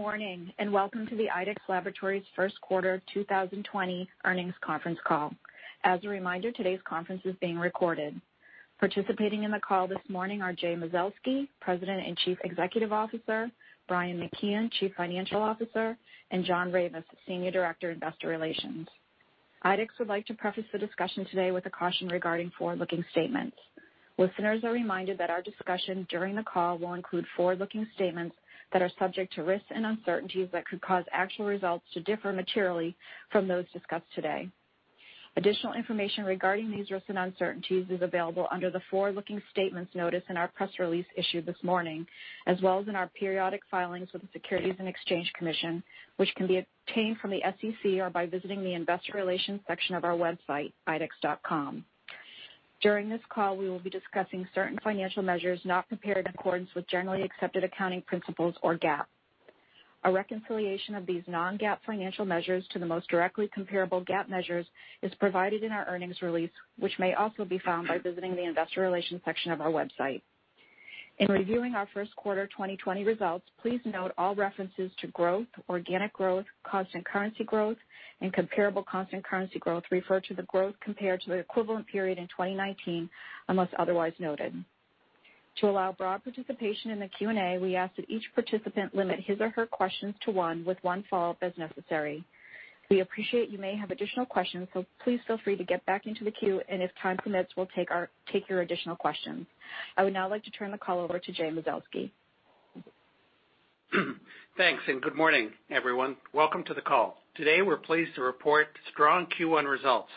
Good morning, and welcome to the IDEXX Laboratories' first quarter 2020 earnings conference call. As a reminder, today's conference is being recorded. Participating in the call this morning are Jay Mazelsky, President and Chief Executive Officer, Brian McKeon, Chief Financial Officer, and John Ravis, Senior Director, Investor Relations. IDEXX would like to preface the discussion today with a caution regarding forward-looking statements. Listeners are reminded that our discussion during the call will include forward-looking statements that are subject to risks and uncertainties that could cause actual results to differ materially from those discussed today. Additional information regarding these risks and uncertainties is available under the forward-looking statements notice in our press release issued this morning, as well as in our periodic filings with the Securities and Exchange Commission, which can be obtained from the SEC or by visiting the investor relations section of our website, idexx.com. During this call, we will be discussing certain financial measures not prepared in accordance with generally accepted accounting principles, or GAAP. A reconciliation of these non-GAAP financial measures to the most directly comparable GAAP measures is provided in our earnings release, which may also be found by visiting the investor relations section of our website. In reviewing our first quarter 2020 results, please note all references to growth, organic growth, constant currency growth, and comparable constant currency growth refer to the growth compared to the equivalent period in 2019, unless otherwise noted. To allow broad participation in the Q&A, we ask that each participant limit his or her questions to one with one follow-up as necessary. We appreciate you may have additional questions, so please feel free to get back into the queue, and if time permits, we'll take your additional questions. I would now like to turn the call over to Jay Mazelsky. Thanks. Good morning, everyone. Welcome to the call. Today, we're pleased to report strong Q1 results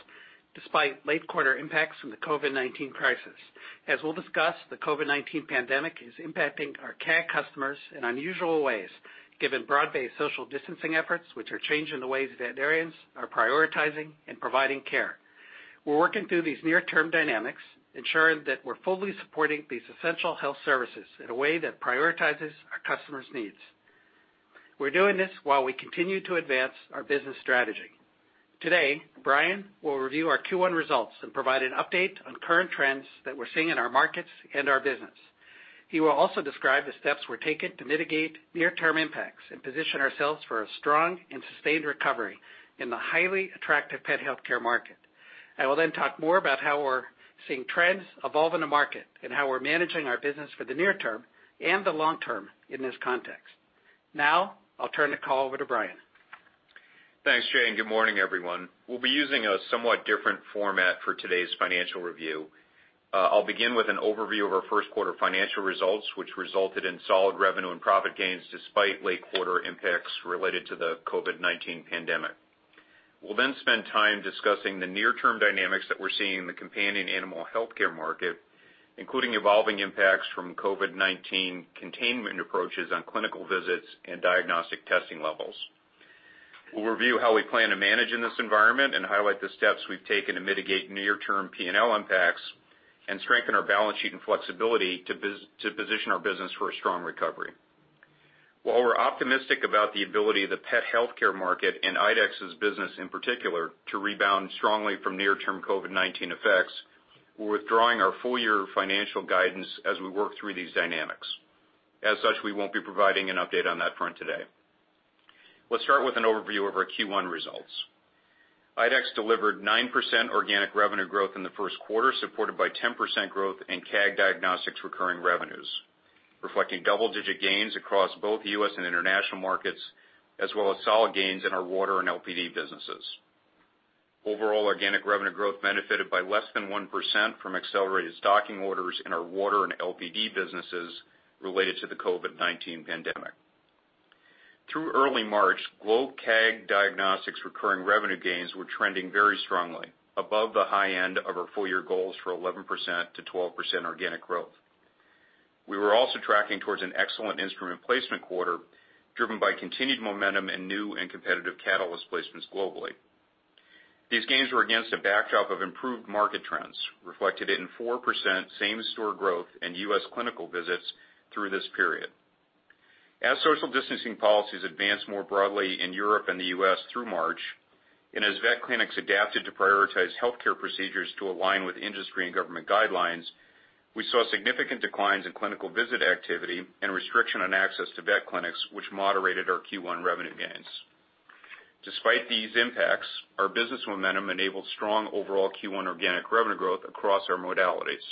despite late-quarter impacts from the COVID-19 crisis. As we'll discuss, the COVID-19 pandemic is impacting our CAG customers in unusual ways, given broad-based social distancing efforts, which are changing the ways veterinarians are prioritizing and providing care. We're working through these near-term dynamics, ensuring that we're fully supporting these essential health services in a way that prioritizes our customers' needs. We're doing this while we continue to advance our business strategy. Today, Brian will review our Q1 results and provide an update on current trends that we're seeing in our markets and our business. He will also describe the steps we're taking to mitigate near-term impacts and position ourselves for a strong and sustained recovery in the highly attractive pet healthcare market. I will talk more about how we're seeing trends evolve in the market and how we're managing our business for the near term and the long term in this context. I'll turn the call over to Brian. Thanks, Jay. Good morning, everyone. We'll be using a somewhat different format for today's financial review. I'll begin with an overview of our first quarter financial results, which resulted in solid revenue and profit gains despite late-quarter impacts related to the COVID-19 pandemic. We'll spend time discussing the near-term dynamics that we're seeing in the companion animal healthcare market, including evolving impacts from COVID-19 containment approaches on clinical visits and diagnostic testing levels. We'll review how we plan to manage in this environment and highlight the steps we've taken to mitigate near-term P&L impacts and strengthen our balance sheet and flexibility to position our business for a strong recovery. While we're optimistic about the ability of the pet healthcare market and IDEXX's business, in particular, to rebound strongly from near-term COVID-19 effects, we're withdrawing our full-year financial guidance as we work through these dynamics. As such, we won't be providing an update on that front today. Let's start with an overview of our Q1 results. IDEXX delivered 9% organic revenue growth in the first quarter, supported by 10% growth in CAG Diagnostics recurring revenues, reflecting double-digit gains across both U.S. and international markets, as well as solid gains in our water and LPD businesses. Overall, organic revenue growth benefited by less than 1% from accelerated stocking orders in our water and LPD businesses related to the COVID-19 pandemic. Through early March, global CAG Diagnostics recurring revenue gains were trending very strongly, above the high end of our full-year goals for 11%-12% organic growth. We were also tracking towards an excellent instrument placement quarter, driven by continued momentum and new and competitive Catalyst placements globally. These gains were against a backdrop of improved market trends, reflected in 4% same-store growth in U.S. clinical visits through this period. As social distancing policies advanced more broadly in Europe and the U.S. through March, and as vet clinics adapted to prioritize healthcare procedures to align with industry and government guidelines, we saw significant declines in clinical visit activity and restriction on access to vet clinics, which moderated our Q1 revenue gains. Despite these impacts, our business momentum enabled strong overall Q1 organic revenue growth across our modalities.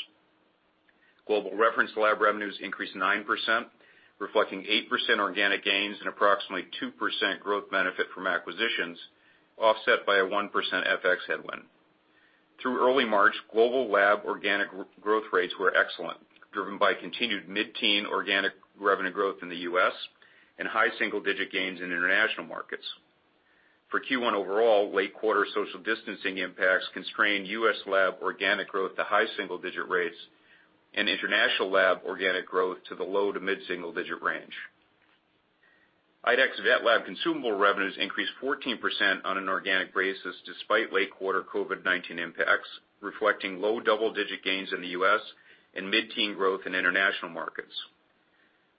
Global reference lab revenues increased 9%, reflecting 8% organic gains and approximately 2% growth benefit from acquisitions, offset by a 1% FX headwind. Through early March, global lab organic growth rates were excellent, driven by continued mid-teen organic revenue growth in the U.S. and high single-digit gains in international markets. For Q1 overall, late-quarter social distancing impacts constrained U.S. lab organic growth to high single-digit rates and international lab organic growth to the low to mid-single digit range. IDEXX VetLab consumable revenues increased 14% on an organic basis despite late-quarter COVID-19 impacts, reflecting low double-digit gains in the U.S. and mid-teen growth in international markets.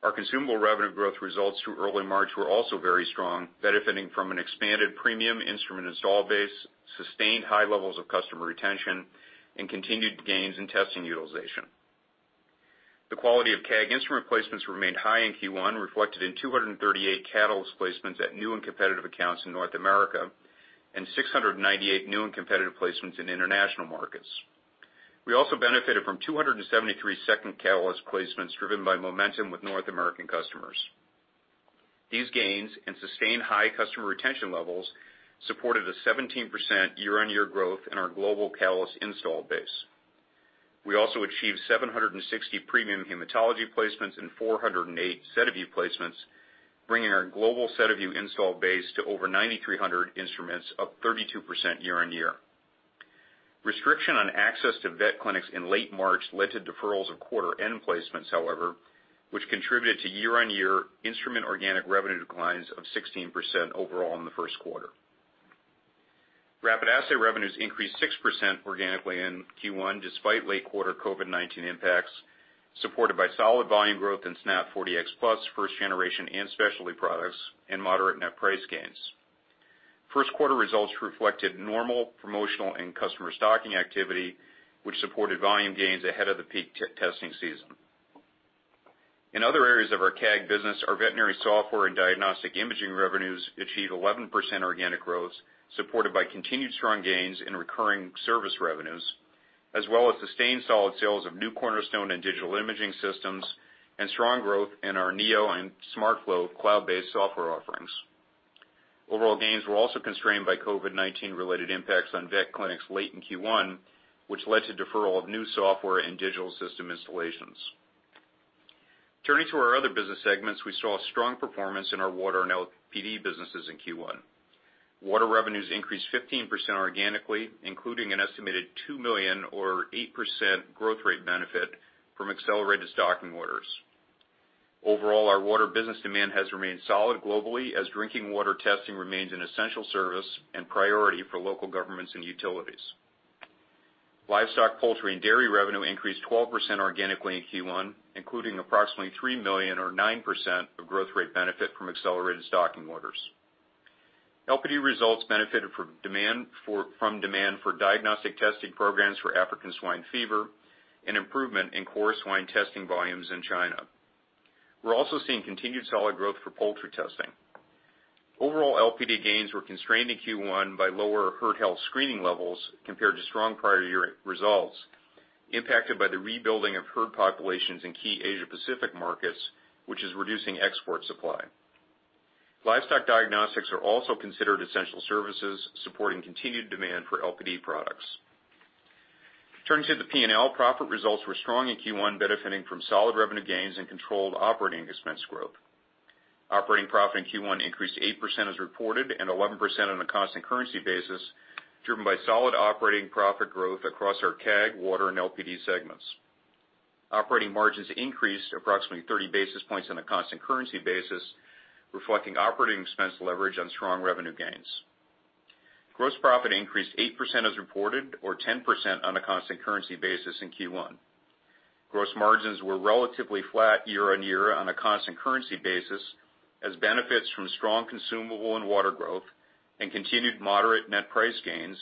Our consumable revenue growth results through early March were also very strong, benefiting from an expanded premium instrument install base, sustained high levels of customer retention, and continued gains in testing utilization. The quality of CAG instrument placements remained high in Q1, reflected in 238 Catalyst placements at new and competitive accounts in North America and 698 new and competitive placements in international markets. We also benefited from 273 second Catalyst placements driven by momentum with North American customers. These gains and sustained high customer retention levels supported a 17% year-on-year growth in our global Catalyst install base. We also achieved 760 premium hematology placements and 408 SediVue placements, bringing our global SediVue install base to over 9,300 instruments, up 32% year-on-year. Restriction on access to vet clinics in late March led to deferrals of quarter-end placements, however, which contributed to year-on-year instrument organic revenue declines of 16% overall in the first quarter. Rapid assay revenues increased 6% organically in Q1, despite late quarter COVID-19 impacts, supported by solid volume growth in SNAP 4Dx Plus first generation and specialty products and moderate net price gains. First quarter results reflected normal promotional and customer stocking activity, which supported volume gains ahead of the peak testing season. In other areas of our CAG business, our veterinary software and diagnostic imaging revenues achieved 11% organic growth, supported by continued strong gains in recurring service revenues, as well as sustained solid sales of new Cornerstone and digital imaging systems and strong growth in our Neo and SmartFlow cloud-based software offerings. Overall gains were also constrained by COVID-19 related impacts on vet clinics late in Q1, which led to deferral of new software and digital system installations. Turning to our other business segments, we saw strong performance in our water and LPD businesses in Q1. Water revenues increased 15% organically, including an estimated $2 million or 8% growth rate benefit from accelerated stocking orders. Overall, our water business demand has remained solid globally as drinking water testing remains an essential service and priority for local governments and utilities. Livestock, poultry, and dairy revenue increased 12% organically in Q1, including approximately $3 million or 9% of growth rate benefit from accelerated stocking orders. LPD results benefited from demand for diagnostic testing programs for African swine fever, and improvement in core swine testing volumes in China. We're also seeing continued solid growth for poultry testing. Overall LPD gains were constrained in Q1 by lower herd health screening levels compared to strong prior year results impacted by the rebuilding of herd populations in key Asia Pacific markets, which is reducing export supply. Livestock diagnostics are also considered essential services, supporting continued demand for LPD products. Turning to the P&L, profit results were strong in Q1, benefiting from solid revenue gains and controlled operating expense growth. Operating profit in Q1 increased 8% as reported and 11% on a constant currency basis, driven by solid operating profit growth across our CAG, water, and LPD segments. Operating margins increased approximately 30 basis points on a constant currency basis, reflecting operating expense leverage on strong revenue gains. Gross profit increased 8% as reported or 10% on a constant currency basis in Q1. Gross margins were relatively flat year-on-year on a constant currency basis, as benefits from strong consumable and water growth and continued moderate net price gains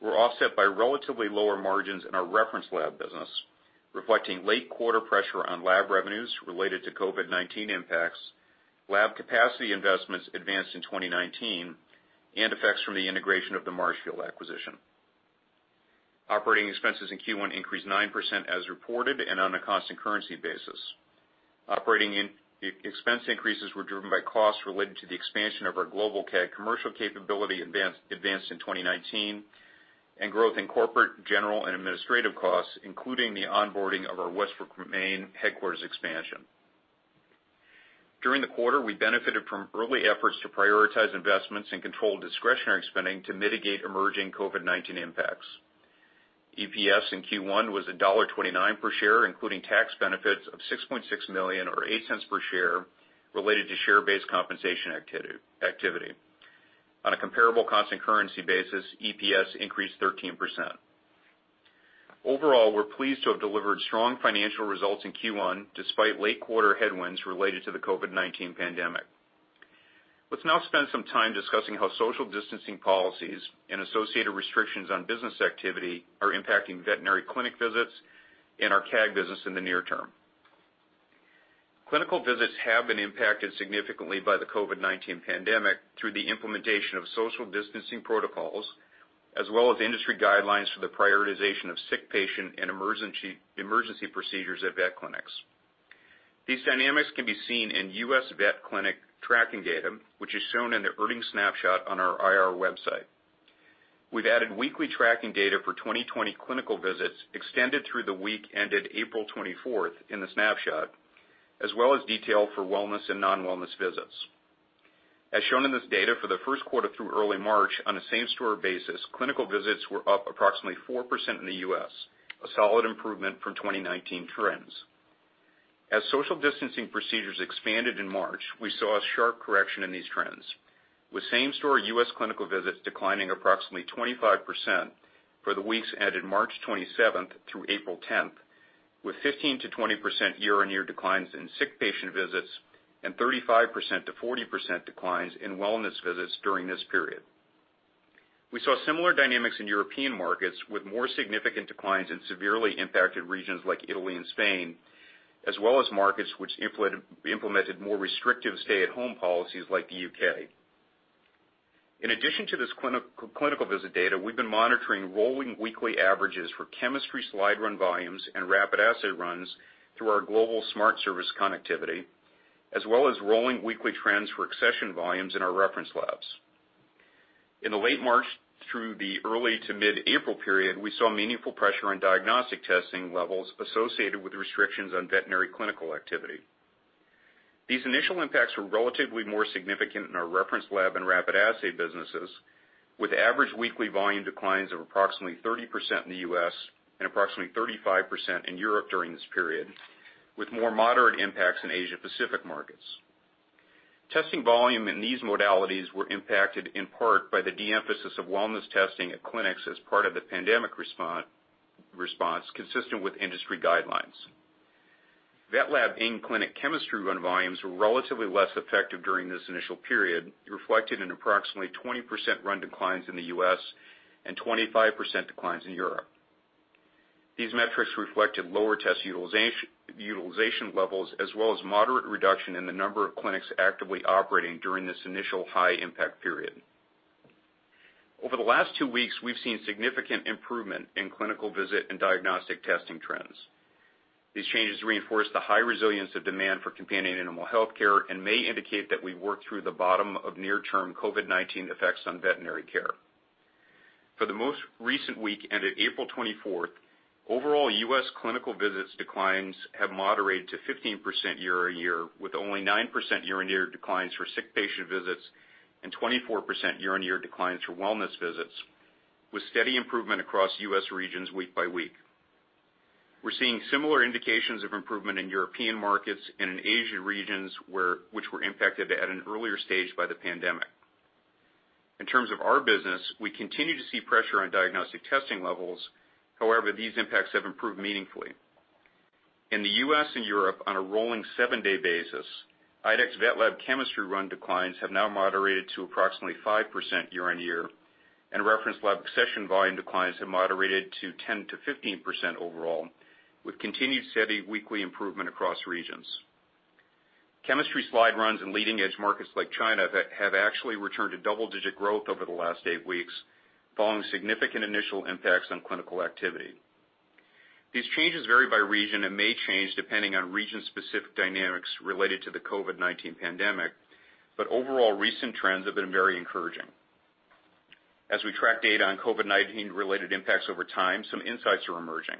were offset by relatively lower margins in our reference lab business, reflecting late quarter pressure on lab revenues related to COVID-19 impacts, lab capacity investments advanced in 2019, and effects from the integration of the Marshfield acquisition. Operating expenses in Q1 increased 9% as reported and on a constant currency basis. Operating expense increases were driven by costs related to the expansion of our global CAG commercial capability advanced in 2019 and growth in corporate, general, and administrative costs, including the onboarding of our Westbrook, Maine headquarters expansion. During the quarter, we benefited from early efforts to prioritize investments and control discretionary spending to mitigate emerging COVID-19 impacts. EPS in Q1 was $1.29 per share, including tax benefits of $6.6 million or $0.08 per share related to share-based compensation activity. On a comparable constant currency basis, EPS increased 13%. Overall, we're pleased to have delivered strong financial results in Q1 despite late quarter headwinds related to the COVID-19 pandemic. Let's now spend some time discussing how social distancing policies and associated restrictions on business activity are impacting veterinary clinic visits and our CAG business in the near term. Clinical visits have been impacted significantly by the COVID-19 pandemic through the implementation of social distancing protocols, as well as industry guidelines for the prioritization of sick patient and emergency procedures at vet clinics. These dynamics can be seen in U.S. vet clinic tracking data, which is shown in the earnings snapshot on our IR website. We've added weekly tracking data for 2020 clinical visits extended through the week ended April 24th in the snapshot, as well as detail for wellness and non-wellness visits. As shown in this data, for the first quarter through early March on a same-store basis, clinical visits were up approximately 4% in the U.S., a solid improvement from 2019 trends. As social distancing procedures expanded in March, we saw a sharp correction in these trends, with same-store U.S. clinical visits declining approximately 25% for the weeks ended March 27th through April 10th, with 15%-20% year-on-year declines in sick patient visits and 35%-40% declines in wellness visits during this period. We saw similar dynamics in European markets with more significant declines in severely impacted regions like Italy and Spain, as well as markets which implemented more restrictive stay-at-home policies like the U.K. In addition to this clinical visit data, we've been monitoring rolling weekly averages for chemistry slide run volumes and rapid assay runs through our global smart service connectivity, as well as rolling weekly trends for accession volumes in our reference labs. In the late March through the early to mid-April period, we saw meaningful pressure on diagnostic testing levels associated with restrictions on veterinary clinical activity. These initial impacts were relatively more significant in our reference lab and rapid assay businesses, with average weekly volume declines of approximately 30% in the U.S. and approximately 35% in Europe during this period, with more moderate impacts in Asia Pacific markets. Testing volume in these modalities were impacted in part by the de-emphasis of wellness testing at clinics as part of the pandemic response, consistent with industry guidelines. VetLab in-clinic chemistry run volumes were relatively less effective during this initial period, reflected in approximately 20% run declines in the U.S. and 25% declines in Europe. These metrics reflected lower test utilization levels, as well as moderate reduction in the number of clinics actively operating during this initial high impact period. Over the last two weeks, we've seen significant improvement in clinical visit and diagnostic testing trends. These changes reinforce the high resilience of demand for companion animal healthcare and may indicate that we work through the bottom of near-term COVID-19 effects on veterinary care. For the most recent week ended April 24th, overall U.S. clinical visits declines have moderated to 15% year-over-year, with only 9% year-on-year declines for sick patient visits and 24% year-on-year declines for wellness visits, with steady improvement across U.S. regions week by week. We're seeing similar indications of improvement in European markets and in Asian regions which were impacted at an earlier stage by the pandemic. In terms of our business, we continue to see pressure on diagnostic testing levels. These impacts have improved meaningfully. In the U.S. and Europe, on a rolling seven-day basis, IDEXX VetLab chemistry run declines have now moderated to approximately 5% year-on-year, and reference lab accession volume declines have moderated to 10%-15% overall, with continued steady weekly improvement across regions. Chemistry slide runs in leading-edge markets like China have actually returned to double-digit growth over the last eight weeks, following significant initial impacts on clinical activity. These changes vary by region and may change depending on region-specific dynamics related to the COVID-19 pandemic. Overall, recent trends have been very encouraging. As we track data on COVID-19 related impacts over time, some insights are emerging.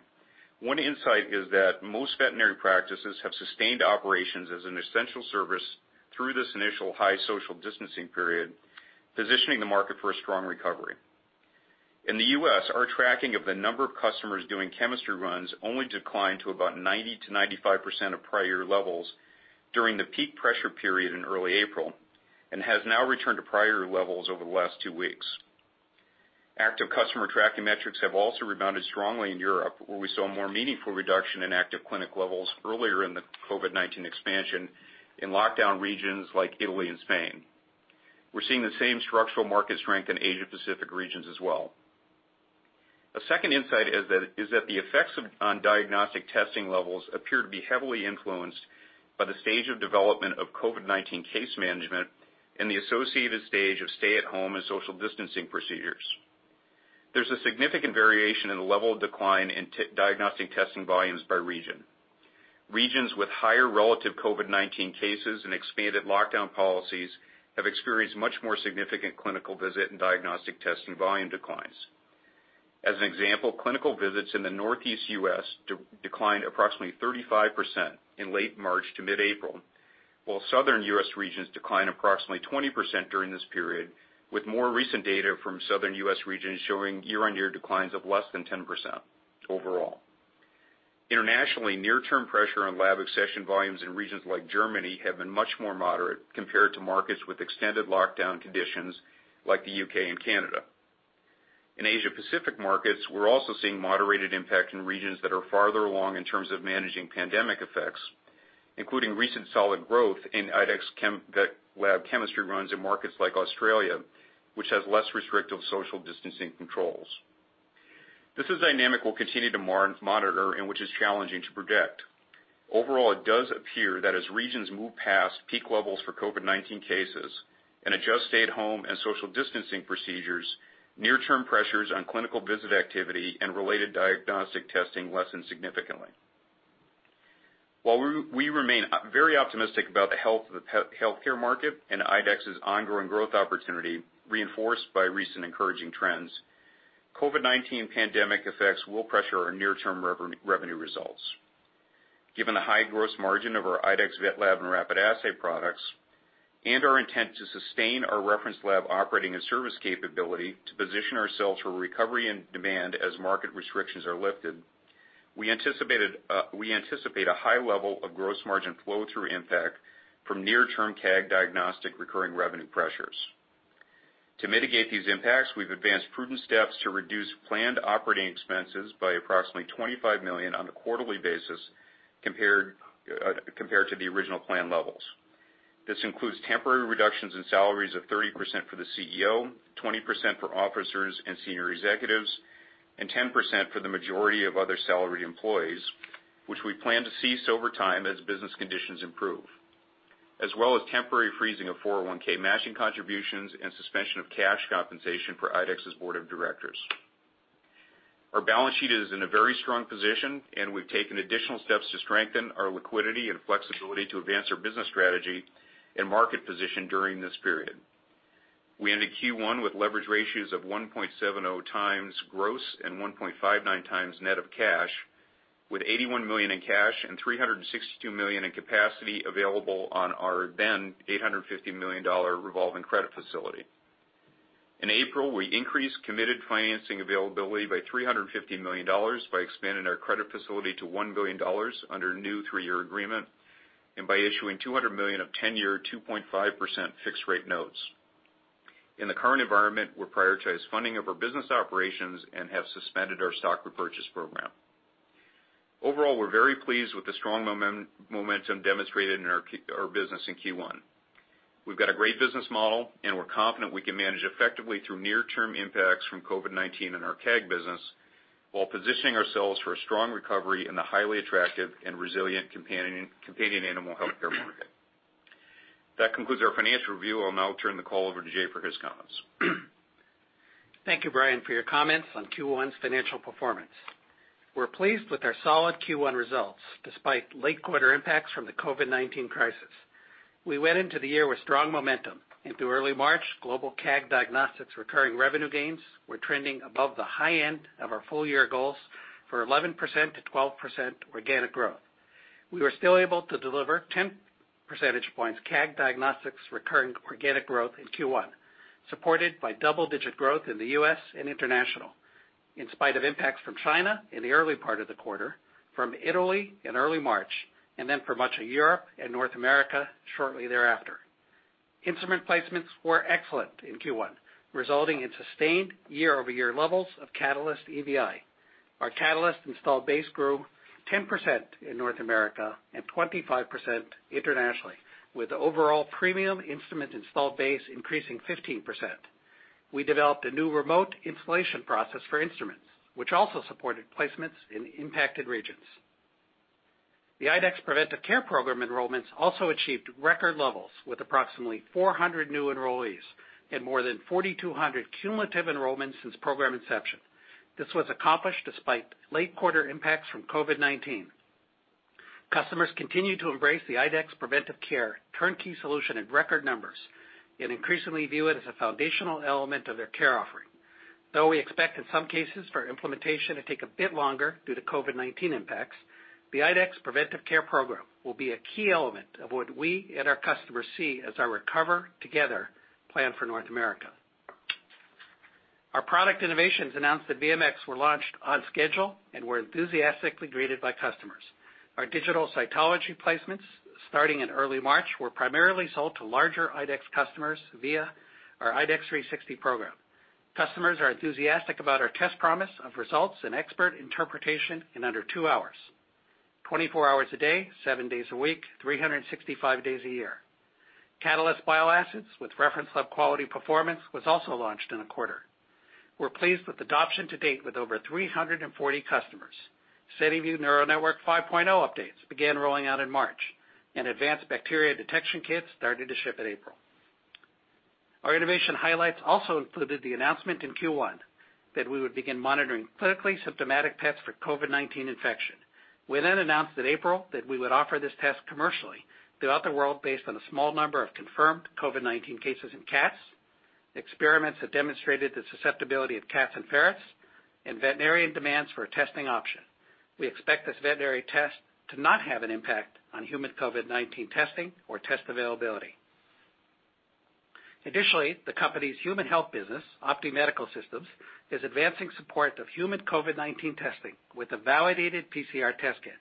One insight is that most veterinary practices have sustained operations as an essential service through this initial high social distancing period, positioning the market for a strong recovery. In the U.S., our tracking of the number of customers doing chemistry runs only declined to about 90%-95% of prior levels during the peak pressure period in early April, and has now returned to prior levels over the last two weeks. Active customer tracking metrics have also rebounded strongly in Europe, where we saw more meaningful reduction in active clinic levels earlier in the COVID-19 expansion in lockdown regions like Italy and Spain. We're seeing the same structural market strength in Asia Pacific regions as well. A second insight is that the effects on diagnostic testing levels appear to be heavily influenced by the stage of development of COVID-19 case management and the associated stage of stay-at-home and social distancing procedures. There's a significant variation in the level of decline in diagnostic testing volumes by region. Regions with higher relative COVID-19 cases and expanded lockdown policies have experienced much more significant clinical visit and diagnostic testing volume declines. As an example, clinical visits in the Northeast U.S. declined approximately 35% in late March to mid-April, while Southern U.S. regions declined approximately 20% during this period, with more recent data from Southern U.S. regions showing year-on-year declines of less than 10% overall. Internationally, near-term pressure on lab accession volumes in regions like Germany have been much more moderate compared to markets with extended lockdown conditions like the U.K. and Canada. In Asia Pacific markets, we're also seeing moderated impact in regions that are farther along in terms of managing pandemic effects, including recent solid growth in IDEXX VetLab chemistry runs in markets like Australia, which has less restrictive social distancing controls. This is dynamic we'll continue to monitor and which is challenging to predict. Overall, it does appear that as regions move past peak levels for COVID-19 cases and adjust stay-at-home and social distancing procedures, near-term pressures on clinical visit activity and related diagnostic testing lessen significantly. While we remain very optimistic about the health of the healthcare market and IDEXX's ongoing growth opportunity reinforced by recent encouraging trends, COVID-19 pandemic effects will pressure our near-term revenue results. Given the high gross margin of our IDEXX VetLab and rapid assay products, and our intent to sustain our reference lab operating and service capability to position ourselves for recovery and demand as market restrictions are lifted, we anticipate a high level of gross margin flow-through impact from near-term CAG diagnostic recurring revenue pressures. To mitigate these impacts, we've advanced prudent steps to reduce planned operating expenses by approximately $25 million on a quarterly basis compared to the original plan levels. This includes temporary reductions in salaries of 30% for the CEO, 20% for officers and senior executives, and 10% for the majority of other salaried employees, which we plan to cease over time as business conditions improve, as well as temporary freezing of 401(k) matching contributions and suspension of cash compensation for IDEXX's board of directors. Our balance sheet is in a very strong position, and we've taken additional steps to strengthen our liquidity and flexibility to advance our business strategy and market position during this period. We ended Q1 with leverage ratios of 1.70 times gross and 1.59 times net of cash, with $81 million in cash and $362 million in capacity available on our then $850 million revolving credit facility. In April, we increased committed financing availability by $350 million by expanding our credit facility to $1 billion under a new three-year agreement, by issuing $200 million of 10-year, 2.5% fixed-rate notes. In the current environment, we prioritize funding of our business operations and have suspended our stock repurchase program. Overall, we're very pleased with the strong momentum demonstrated in our business in Q1. We've got a great business model, we're confident we can manage effectively through near-term impacts from COVID-19 in our CAG business while positioning ourselves for a strong recovery in the highly attractive and resilient companion animal healthcare market. That concludes our financial review. I'll now turn the call over to Jay for his comments. Thank you, Brian, for your comments on Q1's financial performance. We're pleased with our solid Q1 results despite late-quarter impacts from the COVID-19 crisis. We went into the year with strong momentum. Through early March, global CAG Diagnostics recurring revenue gains were trending above the high end of our full-year goals for 11%-12% organic growth. We were still able to deliver 10 percentage points CAG Diagnostics recurring organic growth in Q1, supported by double-digit growth in the U.S. and international, in spite of impacts from China in the early part of the quarter, from Italy in early March, and then for much of Europe and North America shortly thereafter. Instrument placements were excellent in Q1, resulting in sustained year-over-year levels of Catalyst EVI. Our Catalyst installed base grew 10% in North America and 25% internationally, with the overall premium instrument installed base increasing 15%. We developed a new remote installation process for instruments, which also supported placements in impacted regions. The IDEXX Preventive Care program enrollments also achieved record levels, with approximately 400 new enrollees and more than 4,200 cumulative enrollments since program inception. This was accomplished despite late-quarter impacts from COVID-19. Customers continue to embrace the IDEXX Preventive Care turnkey solution in record numbers and increasingly view it as a foundational element of their care offering. We expect in some cases for implementation to take a bit longer due to COVID-19 impacts, the IDEXX Preventive Care program will be a key element of what we and our customers see as our Recover Together plan for North America. Our product innovations announced at VMX were launched on schedule and were enthusiastically greeted by customers. Our digital cytology placements starting in early March were primarily sold to larger IDEXX customers via our IDEXX 360 program. Customers are enthusiastic about our test promise of results and expert interpretation in under two hours, 24 hours a day, seven days a week, 365 days a year. Catalyst Bile Acids with reference lab quality performance was also launched in the quarter. We're pleased with adoption to date, with over 340 customers. SediVue Neural Network 5.0 updates began rolling out in March. Advanced bacteria detection kits started to ship in April. Our innovation highlights also included the announcement in Q1 that we would begin monitoring clinically symptomatic tests for COVID-19 infection. We announced in April that we would offer this test commercially throughout the world based on a small number of confirmed COVID-19 cases in cats, experiments that demonstrated the susceptibility of cats and ferrets, and veterinarian demands for a testing option. We expect this veterinary test to not have an impact on human COVID-19 testing or test availability. The company's human health business, OPTI Medical Systems, is advancing support of human COVID-19 testing with a validated PCR test kit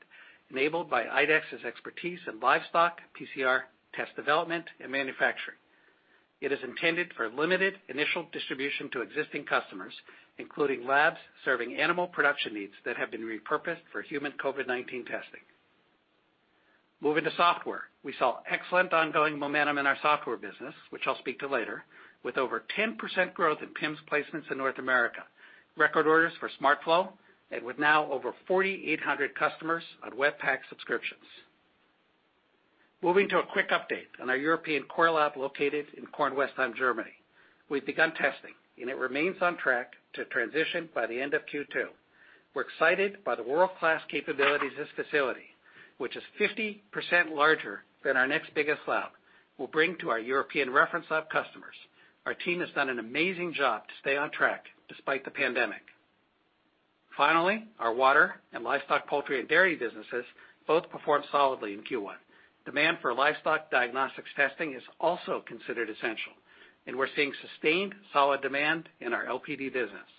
enabled by IDEXX's expertise in livestock PCR test development and manufacturing. It is intended for limited initial distribution to existing customers, including labs serving animal production needs that have been repurposed for human COVID-19 testing. Moving to software. We saw excellent ongoing momentum in our software business, which I'll speak to later, with over 10% growth in PIMS placements in North America, record orders for SmartFlow, and with now over 4,800 customers on WebPACS subscriptions. Moving to a quick update on our European core lab located in Kornwestheim, Germany. We've begun testing. It remains on track to transition by the end of Q2. We're excited by the world-class capabilities of this facility, which is 50% larger than our next biggest lab, will bring to our European reference lab customers. Our team has done an amazing job to stay on track despite the pandemic. Finally, our water and livestock, poultry, and dairy businesses both performed solidly in Q1. Demand for livestock diagnostics testing is also considered essential. We're seeing sustained solid demand in our LPD business.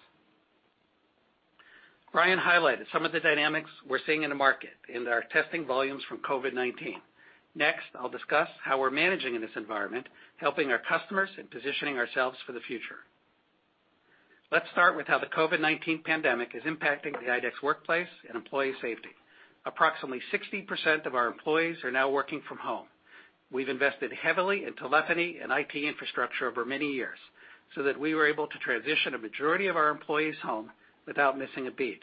Brian highlighted some of the dynamics we're seeing in the market in our testing volumes from COVID-19. I'll discuss how we're managing in this environment, helping our customers, and positioning ourselves for the future. Let's start with how the COVID-19 pandemic is impacting the IDEXX workplace and employee safety. Approximately 60% of our employees are now working from home. We've invested heavily in telephony and IT infrastructure over many years, so that we were able to transition a majority of our employees home without missing a beat.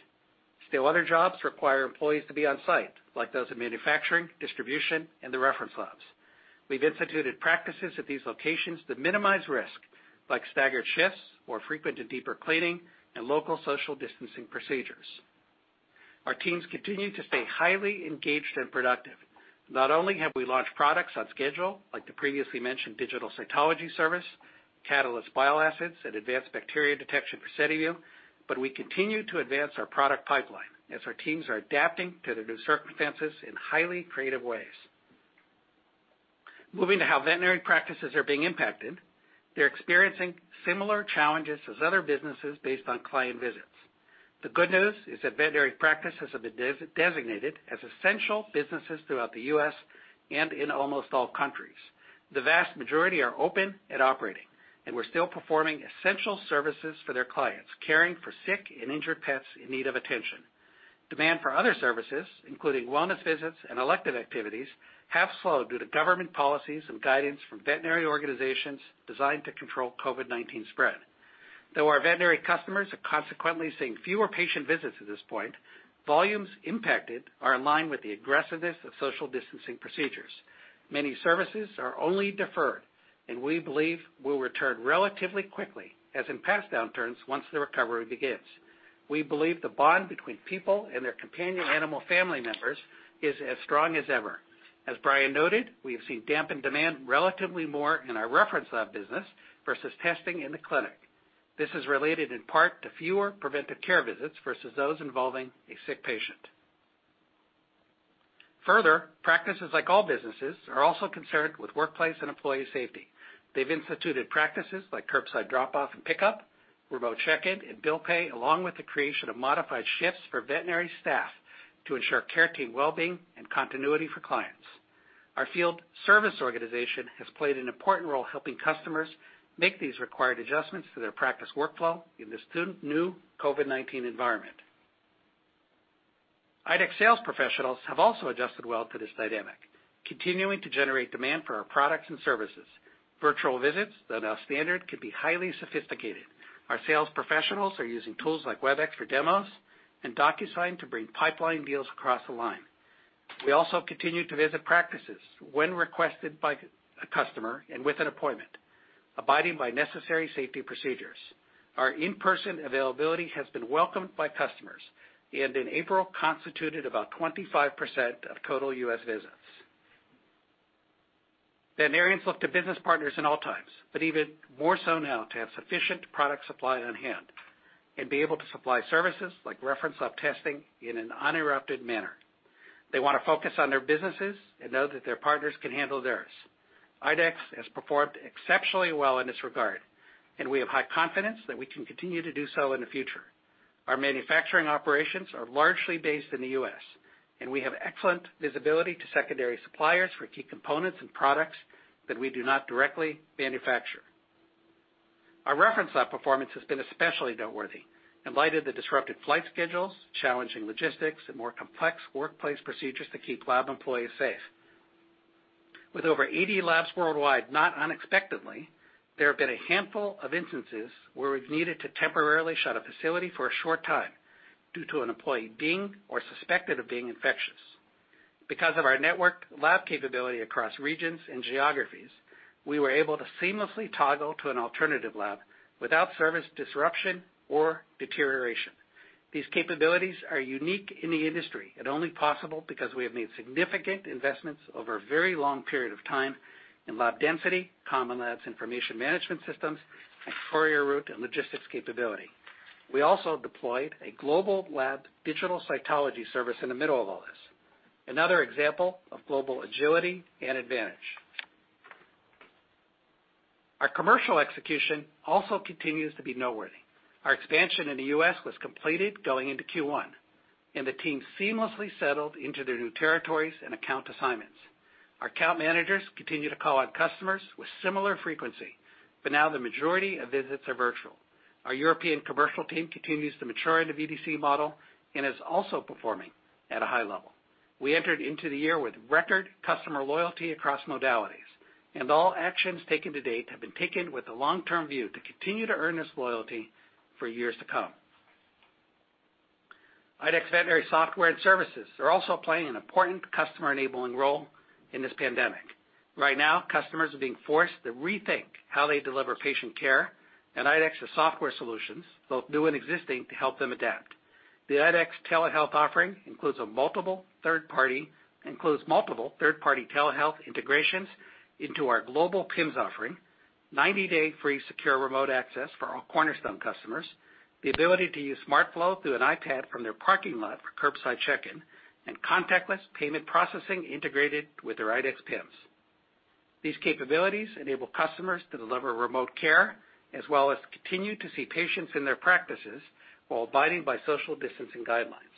Still, other jobs require employees to be on-site, like those in manufacturing, distribution, and the reference labs. We've instituted practices at these locations that minimize risk, like staggered shifts, more frequent and deeper cleaning, and local social distancing procedures. Our teams continue to stay highly engaged and productive. Not only have we launched products on schedule, like the previously mentioned IDEXX Digital Cytology, Catalyst Bile Acids, and advanced bacteria detection for SediVue, but we continue to advance our product pipeline as our teams are adapting to the new circumstances in highly creative ways. Moving to how veterinary practices are being impacted, they're experiencing similar challenges as other businesses based on client visits. The good news is that veterinary practices have been designated as essential businesses throughout the U.S. and in almost all countries. The vast majority are open and operating, and we're still performing essential services for their clients, caring for sick and injured pets in need of attention. Demand for other services, including wellness visits and elective activities, have slowed due to government policies and guidance from veterinary organizations designed to control COVID-19 spread. Though our veterinary customers are consequently seeing fewer patient visits at this point, volumes impacted are in line with the aggressiveness of social distancing procedures. Many services are only deferred, and we believe will return relatively quickly, as in past downturns, once the recovery begins. We believe the bond between people and their companion animal family members is as strong as ever. As Brian noted, we have seen dampened demand relatively more in our reference lab business versus testing in the clinic. This is related in part to fewer preventive care visits versus those involving a sick patient. Further, practices like all businesses, are also concerned with workplace and employee safety. They've instituted practices like curbside drop-off and pick-up, remote check-in and bill pay, along with the creation of modified shifts for veterinary staff to ensure care team wellbeing and continuity for clients. Our field service organization has played an important role helping customers make these required adjustments to their practice workflow in this new COVID-19 environment. IDEXX sales professionals have also adjusted well to this dynamic, continuing to generate demand for our products and services. Virtual visits that are standard can be highly sophisticated. Our sales professionals are using tools like Webex for demos and DocuSign to bring pipeline deals across the line. We also continue to visit practices when requested by a customer and with an appointment, abiding by necessary safety procedures. Our in-person availability has been welcomed by customers, and in April, constituted about 25% of total U.S. visits. Veterinarians look to business partners in all times, but even more so now to have sufficient product supply on hand and be able to supply services like reference lab testing in an uninterrupted manner. They want to focus on their businesses and know that their partners can handle theirs. IDEXX has performed exceptionally well in this regard, and we have high confidence that we can continue to do so in the future. Our manufacturing operations are largely based in the U.S., and we have excellent visibility to secondary suppliers for key components and products that we do not directly manufacture. Our reference lab performance has been especially noteworthy in light of the disrupted flight schedules, challenging logistics, and more complex workplace procedures to keep lab employees safe. With over 80 labs worldwide, not unexpectedly, there have been a handful of instances where we've needed to temporarily shut a facility for a short time due to an employee being or suspected of being infectious. Because of our network lab capability across regions and geographies, we were able to seamlessly toggle to an alternative lab without service disruption or deterioration. These capabilities are unique in the industry and only possible because we have made significant investments over a very long period of time in lab density, common labs information management systems, and courier route and logistics capability. We also deployed a global lab Digital Cytology service in the middle of all this. Another example of global agility and advantage. Our commercial execution also continues to be noteworthy. Our expansion in the U.S. was completed going into Q1, and the team seamlessly settled into their new territories and account assignments. Our account managers continue to call on customers with similar frequency, but now the majority of visits are virtual. Our European commercial team continues to mature in the VDC model and is also performing at a high level. We entered into the year with record customer loyalty across modalities, and all actions taken to date have been taken with a long-term view to continue to earn this loyalty for years to come. IDEXX Veterinary Software and Services are also playing an important customer-enabling role in this pandemic. Right now, customers are being forced to rethink how they deliver patient care, and IDEXX's software solutions, both new and existing, to help them adapt. The IDEXX telehealth offering includes multiple third-party telehealth integrations into our global PIMS offering, 90-day free secure remote access for all Cornerstone customers, the ability to use SmartFlow through an iPad from their parking lot for curbside check-in, and contactless payment processing integrated with their IDEXX PIMS. These capabilities enable customers to deliver remote care, as well as continue to see patients in their practices while abiding by social distancing guidelines.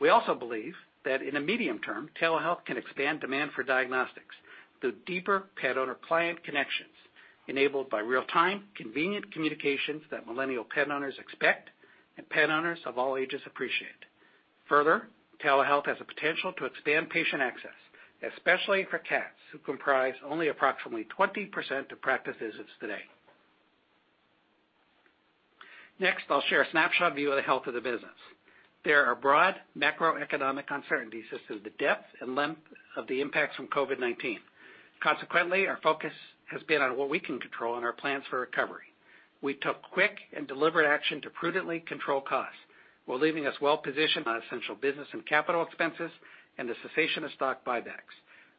We also believe that in a medium term, telehealth can expand demand for diagnostics through deeper pet owner client connections enabled by real-time, convenient communications that millennial pet owners expect and pet owners of all ages appreciate. Telehealth has the potential to expand patient access, especially for cats, who comprise only approximately 20% of practice visits today. I'll share a snapshot view of the health of the business. There are broad macroeconomic uncertainties as to the depth and length of the impacts from COVID-19. Our focus has been on what we can control and our plans for recovery. We took quick and deliberate action to prudently control costs while leaving us well positioned on essential business and capital expenses and the cessation of stock buybacks.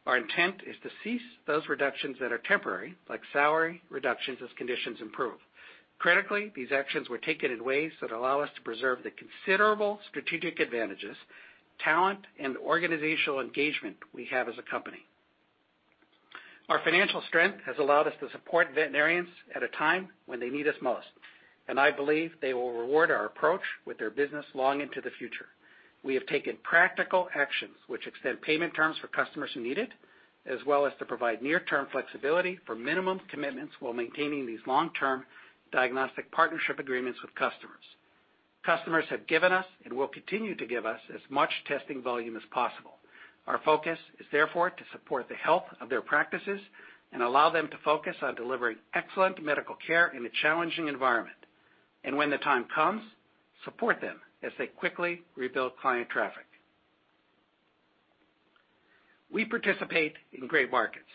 Our intent is to cease those reductions that are temporary, like salary reductions, as conditions improve. Critically, these actions were taken in ways that allow us to preserve the considerable strategic advantages, talent, and organizational engagement we have as a company. Our financial strength has allowed us to support veterinarians at a time when they need us most, and I believe they will reward our approach with their business long into the future. We have taken practical actions which extend payment terms for customers who need it, as well as to provide near-term flexibility for minimum commitments while maintaining these long-term diagnostic partnership agreements with customers. Customers have given us, and will continue to give us, as much testing volume as possible. Our focus is therefore to support the health of their practices and allow them to focus on delivering excellent medical care in a challenging environment. When the time comes, support them as they quickly rebuild client traffic. We participate in great markets.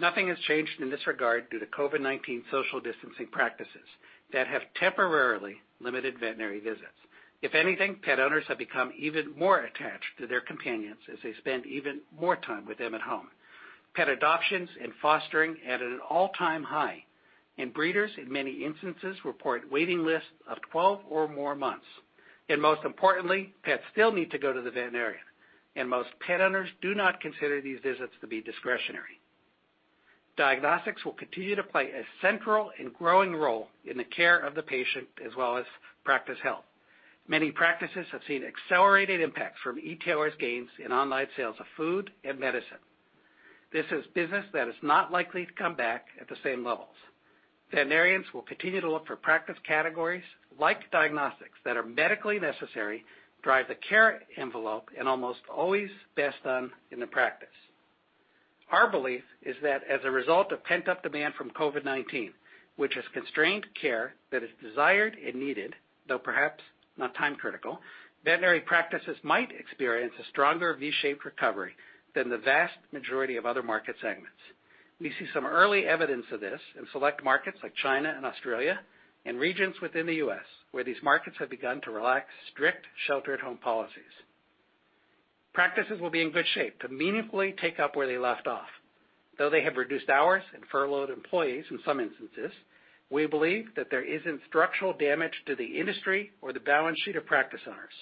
Nothing has changed in this regard due to COVID-19 social distancing practices that have temporarily limited veterinary visits. If anything, pet owners have become even more attached to their companions as they spend even more time with them at home. Pet adoptions and fostering at an all-time high, and breeders, in many instances, report waiting lists of 12 or more months. Most importantly, pets still need to go to the veterinarian, and most pet owners do not consider these visits to be discretionary. Diagnostics will continue to play a central and growing role in the care of the patient as well as practice health. Many practices have seen accelerated impacts from e-tailers' gains in online sales of food and medicine. This is business that is not likely to come back at the same levels. Veterinarians will continue to look for practice categories like diagnostics that are medically necessary, drive the care envelope, and almost always best done in the practice. Our belief is that as a result of pent-up demand from COVID-19, which has constrained care that is desired and needed, though perhaps not time-critical, veterinary practices might experience a stronger V-shaped recovery than the vast majority of other market segments. We see some early evidence of this in select markets like China and Australia and regions within the U.S. where these markets have begun to relax strict shelter-at-home policies. Practices will be in good shape to meaningfully take up where they left off. Though they have reduced hours and furloughed employees in some instances, we believe that there isn't structural damage to the industry or the balance sheet of practice owners.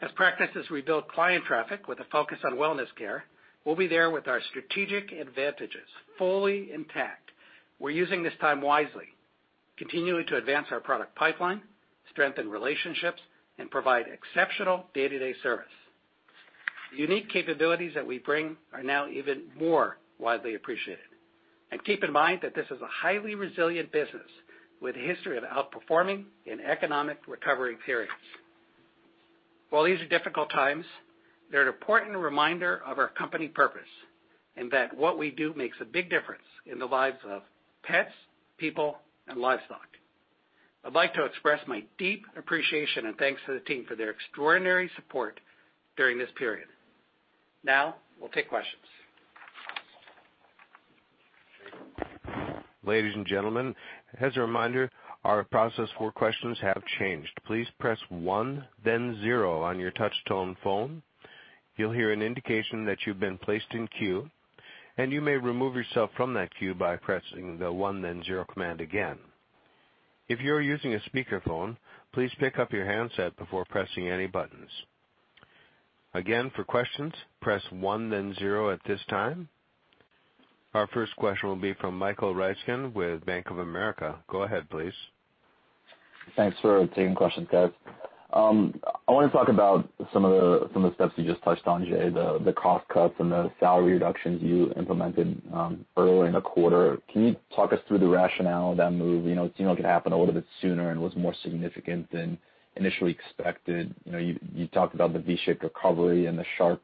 As practices rebuild client traffic with a focus on wellness care, we'll be there with our strategic advantages fully intact. We're using this time wisely, continuing to advance our product pipeline, strengthen relationships, and provide exceptional day-to-day service. The unique capabilities that we bring are now even more widely appreciated. Keep in mind that this is a highly resilient business with a history of outperforming in economic recovery periods. While these are difficult times, they're an important reminder of our company purpose, and that what we do makes a big difference in the lives of pets, people, and livestock. I'd like to express my deep appreciation and thanks to the team for their extraordinary support during this period. Now, we'll take questions. Ladies and gentlemen, as a reminder, our process for questions has changed. Please press one then zero on your touch-tone phone. You'll hear an indication that you've been placed in queue, and you may remove yourself from that queue by pressing the one then zero command again. If you're using a speakerphone, please pick up your handset before pressing any buttons. Again, for questions, press one then zero at this time. Our first question will be from Michael Ryskin with Bank of America. Go ahead, please. Thanks for taking questions, guys. I want to talk about some of the steps you just touched on, Jay, the cost cuts and the salary reductions you implemented earlier in the quarter. Can you talk us through the rationale of that move? It seemed like it happened a little bit sooner and was more significant than initially expected. You talked about the V-shaped recovery and the sharp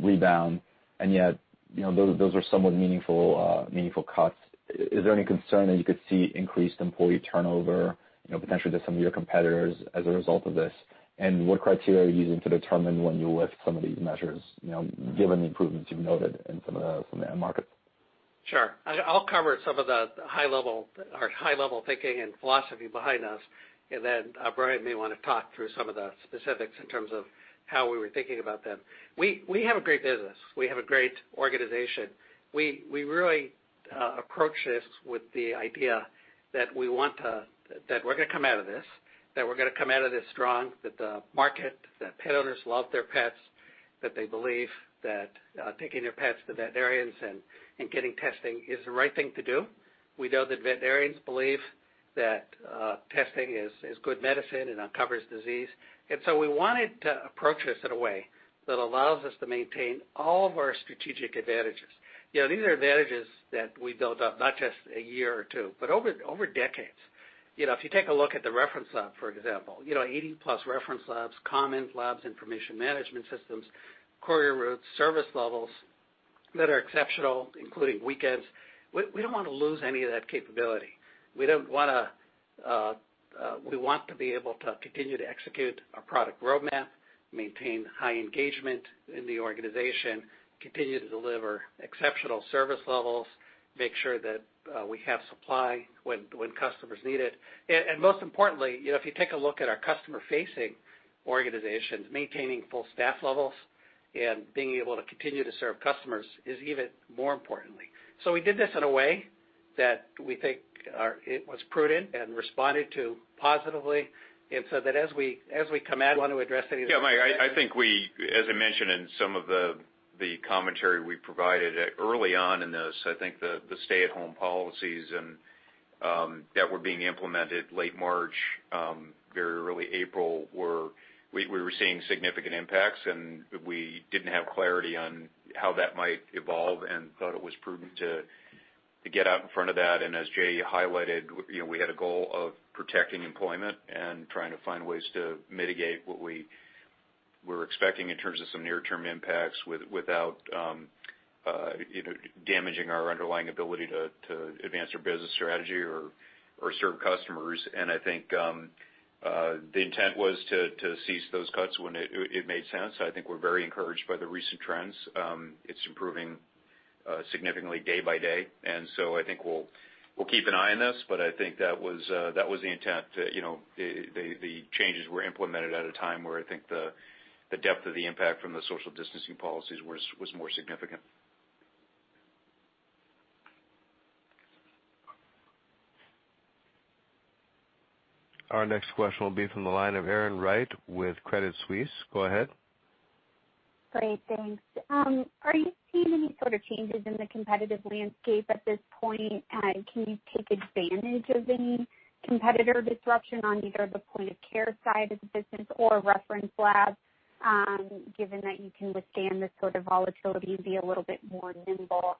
rebound, and yet, those are somewhat meaningful cuts. Is there any concern that you could see increased employee turnover, potentially to some of your competitors as a result of this? What criteria are you using to determine when you lift some of these measures, given the improvements you've noted in some of the end markets? Sure. I'll cover some of our high-level thinking and philosophy behind us, and then Brian may want to talk through some of the specifics in terms of how we were thinking about them. We have a great business. We have a great organization. We really approach this with the idea that we're going to come out of this, that we're going to come out of this strong, that pet owners love their pets. That they believe that taking their pets to veterinarians and getting testing is the right thing to do. We know that veterinarians believe that testing is good medicine and uncovers disease. We wanted to approach this in a way that allows us to maintain all of our strategic advantages. These are advantages that we built up not just a year or two, but over decades. If you take a look at the reference lab, for example, 80-plus reference labs, common labs, information management systems, courier routes, service levels that are exceptional, including weekends. We don't want to lose any of that capability. We want to be able to continue to execute our product roadmap, maintain high engagement in the organization, continue to deliver exceptional service levels, make sure that we have supply when customers need it. Most importantly, if you take a look at our customer-facing organizations, maintaining full staff levels and being able to continue to serve customers is even more importantly. We did this in a way that we think it was prudent and responded to positively. Mike, I think as I mentioned in some of the commentary we provided early on in this, I think the stay-at-home policies that were being implemented late March, very early April, we were seeing significant impacts, we didn't have clarity on how that might evolve and thought it was prudent to get out in front of that. As Jay highlighted, we had a goal of protecting employment and trying to find ways to mitigate what we were expecting in terms of some near-term impacts without damaging our underlying ability to advance our business strategy or serve customers. I think the intent was to cease those cuts when it made sense. I think we're very encouraged by the recent trends. It's improving significantly day by day, so I think we'll keep an eye on this, but I think that was the intent. The changes were implemented at a time where I think the depth of the impact from the social distancing policies was more significant. Our next question will be from the line of Erin Wright with Credit Suisse. Go ahead. Great. Thanks. Are you seeing any sort of changes in the competitive landscape at this point? Can you take advantage of any competitor disruption on either the point-of-care side of the business or reference lab, given that you can withstand this sort of volatility and be a little bit more nimble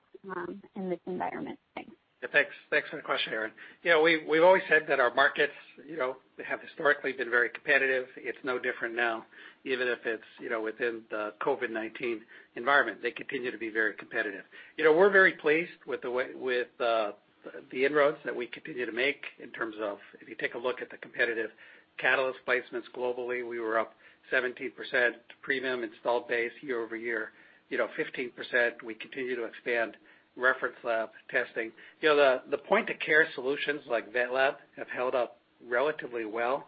in this environment? Thanks. Yeah. Thanks for the question, Erin. We've always said that our markets have historically been very competitive. It's no different now, even if it's within the COVID-19 environment. They continue to be very competitive. We're very pleased with the inroads that we continue to make in terms of, if you take a look at the competitive Catalyst placements globally, we were up 17% to premium installed base year-over-year. 15%, we continue to expand reference lab testing. The point-of-care solutions like VetLab have held up relatively well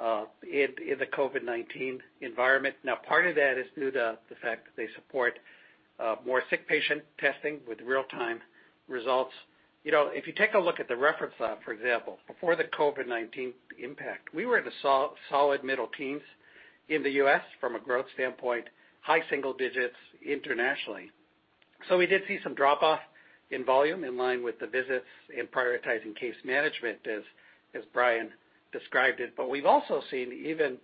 in the COVID-19 environment. Now, part of that is due to the fact that they support more sick patient testing with real-time results. If you take a look at the reference lab, for example, before the COVID-19 impact, we were in the solid middle teens in the U.S. from a growth standpoint, high single digits internationally. We did see some drop off in volume in line with the visits in prioritizing case management as Brian described it. We've also seen even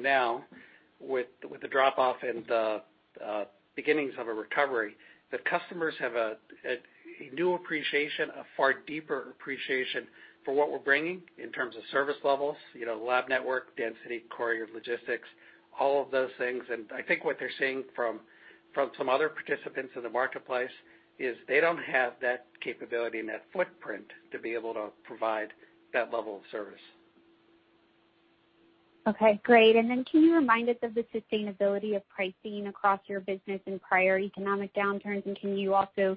now with the drop off and the beginnings of a recovery, that customers have a new appreciation, a far deeper appreciation for what we're bringing in terms of service levels, lab network density, courier logistics, all of those things. I think what they're seeing from some other participants in the marketplace is they don't have that capability and that footprint to be able to provide that level of service. Okay, great. Can you remind us of the sustainability of pricing across your business in prior economic downturns? Can you also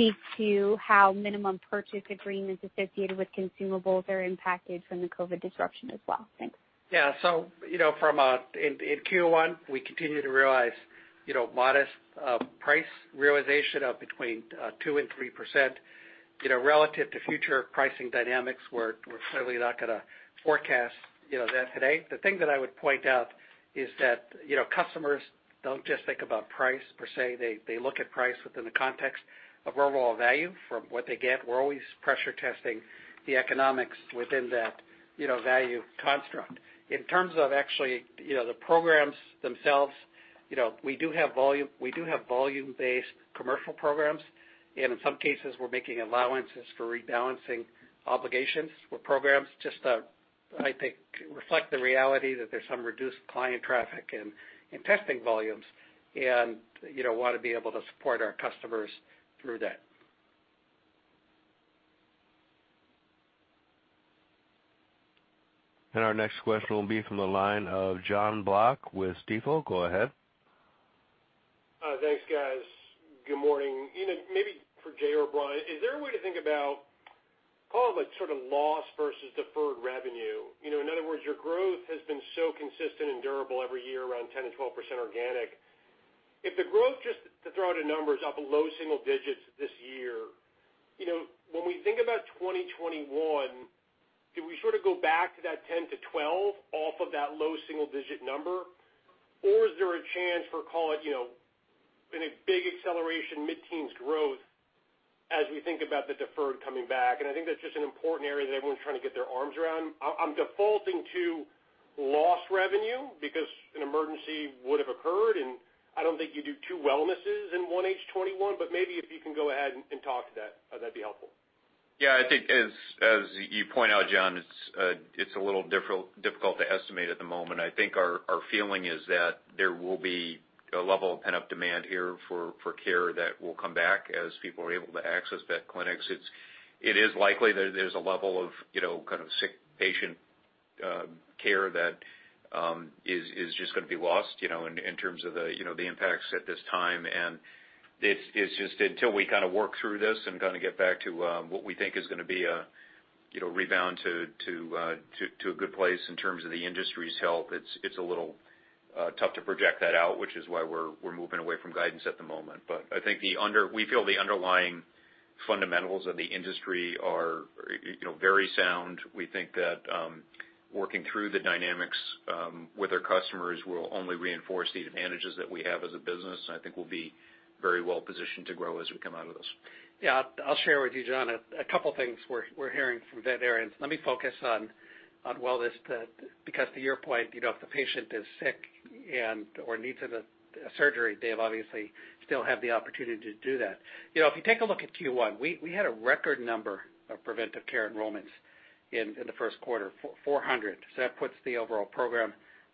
speak to how minimum purchase agreements associated with consumables are impacted from the COVID disruption as well? Thanks. Yeah. In Q1, we continue to realize modest price realization of between 2%-3%. Relative to future pricing dynamics, we're clearly not going to forecast that today. The thing that I would point out is that customers don't just think about price per se. They look at price within the context of overall value from what they get. We're always pressure testing the economics within that value construct. In terms of actually the programs themselves, we do have volume-based commercial programs, and in some cases, we're making allowances for rebalancing obligations for programs just to, I think, reflect the reality that there's some reduced client traffic and testing volumes, and want to be able to support our customers through that. Our next question will be from the line of Jon Block with Stifel. Go ahead. Thanks, guys. Good morning. Maybe for Jay or Brian, is there a way to think about call it like sort of loss versus deferred revenue? In other words, your growth has been so consistent and durable every year around 10%-12% organic. If the growth, just to throw out the numbers, up low single digits this year. When we think about 2021, do we sort of go back to that 10%-12% off of that low single-digit number? Is there a chance for, call it, in a big acceleration mid-teens growth as we think about the deferred coming back? I think that's just an important area that everyone's trying to get their arms around. I'm defaulting to lost revenue because an emergency would have occurred, and I don't think you do two wellnesses in one H2 '21, but maybe if you can go ahead and talk to that'd be helpful. Yeah. I think as you point out, Jon, it's a little difficult to estimate at the moment. I think our feeling is that there will be a level of pent-up demand here for care that will come back as people are able to access vet clinics. It is likely that there's a level of kind of sick patient care that is just going to be lost in terms of the impacts at this time. It's just until we kind of work through this and kind of get back to what we think is going to be a rebound to a good place in terms of the industry's health. It's a little tough to project that out, which is why we're moving away from guidance at the moment. I think we feel the underlying fundamentals of the industry are very sound. We think that working through the dynamics with our customers will only reinforce the advantages that we have as a business, and I think we'll be very well-positioned to grow as we come out of this. Yeah. I'll share with you, Jon. A couple of things we're hearing from veterinarians. Let me focus on wellness because to your point, if the patient is sick or needs a surgery, they obviously still have the opportunity to do that. If you take a look at Q1, we had a record number of IDEXX Preventive Care enrollments in the first quarter, 400. That puts the overall program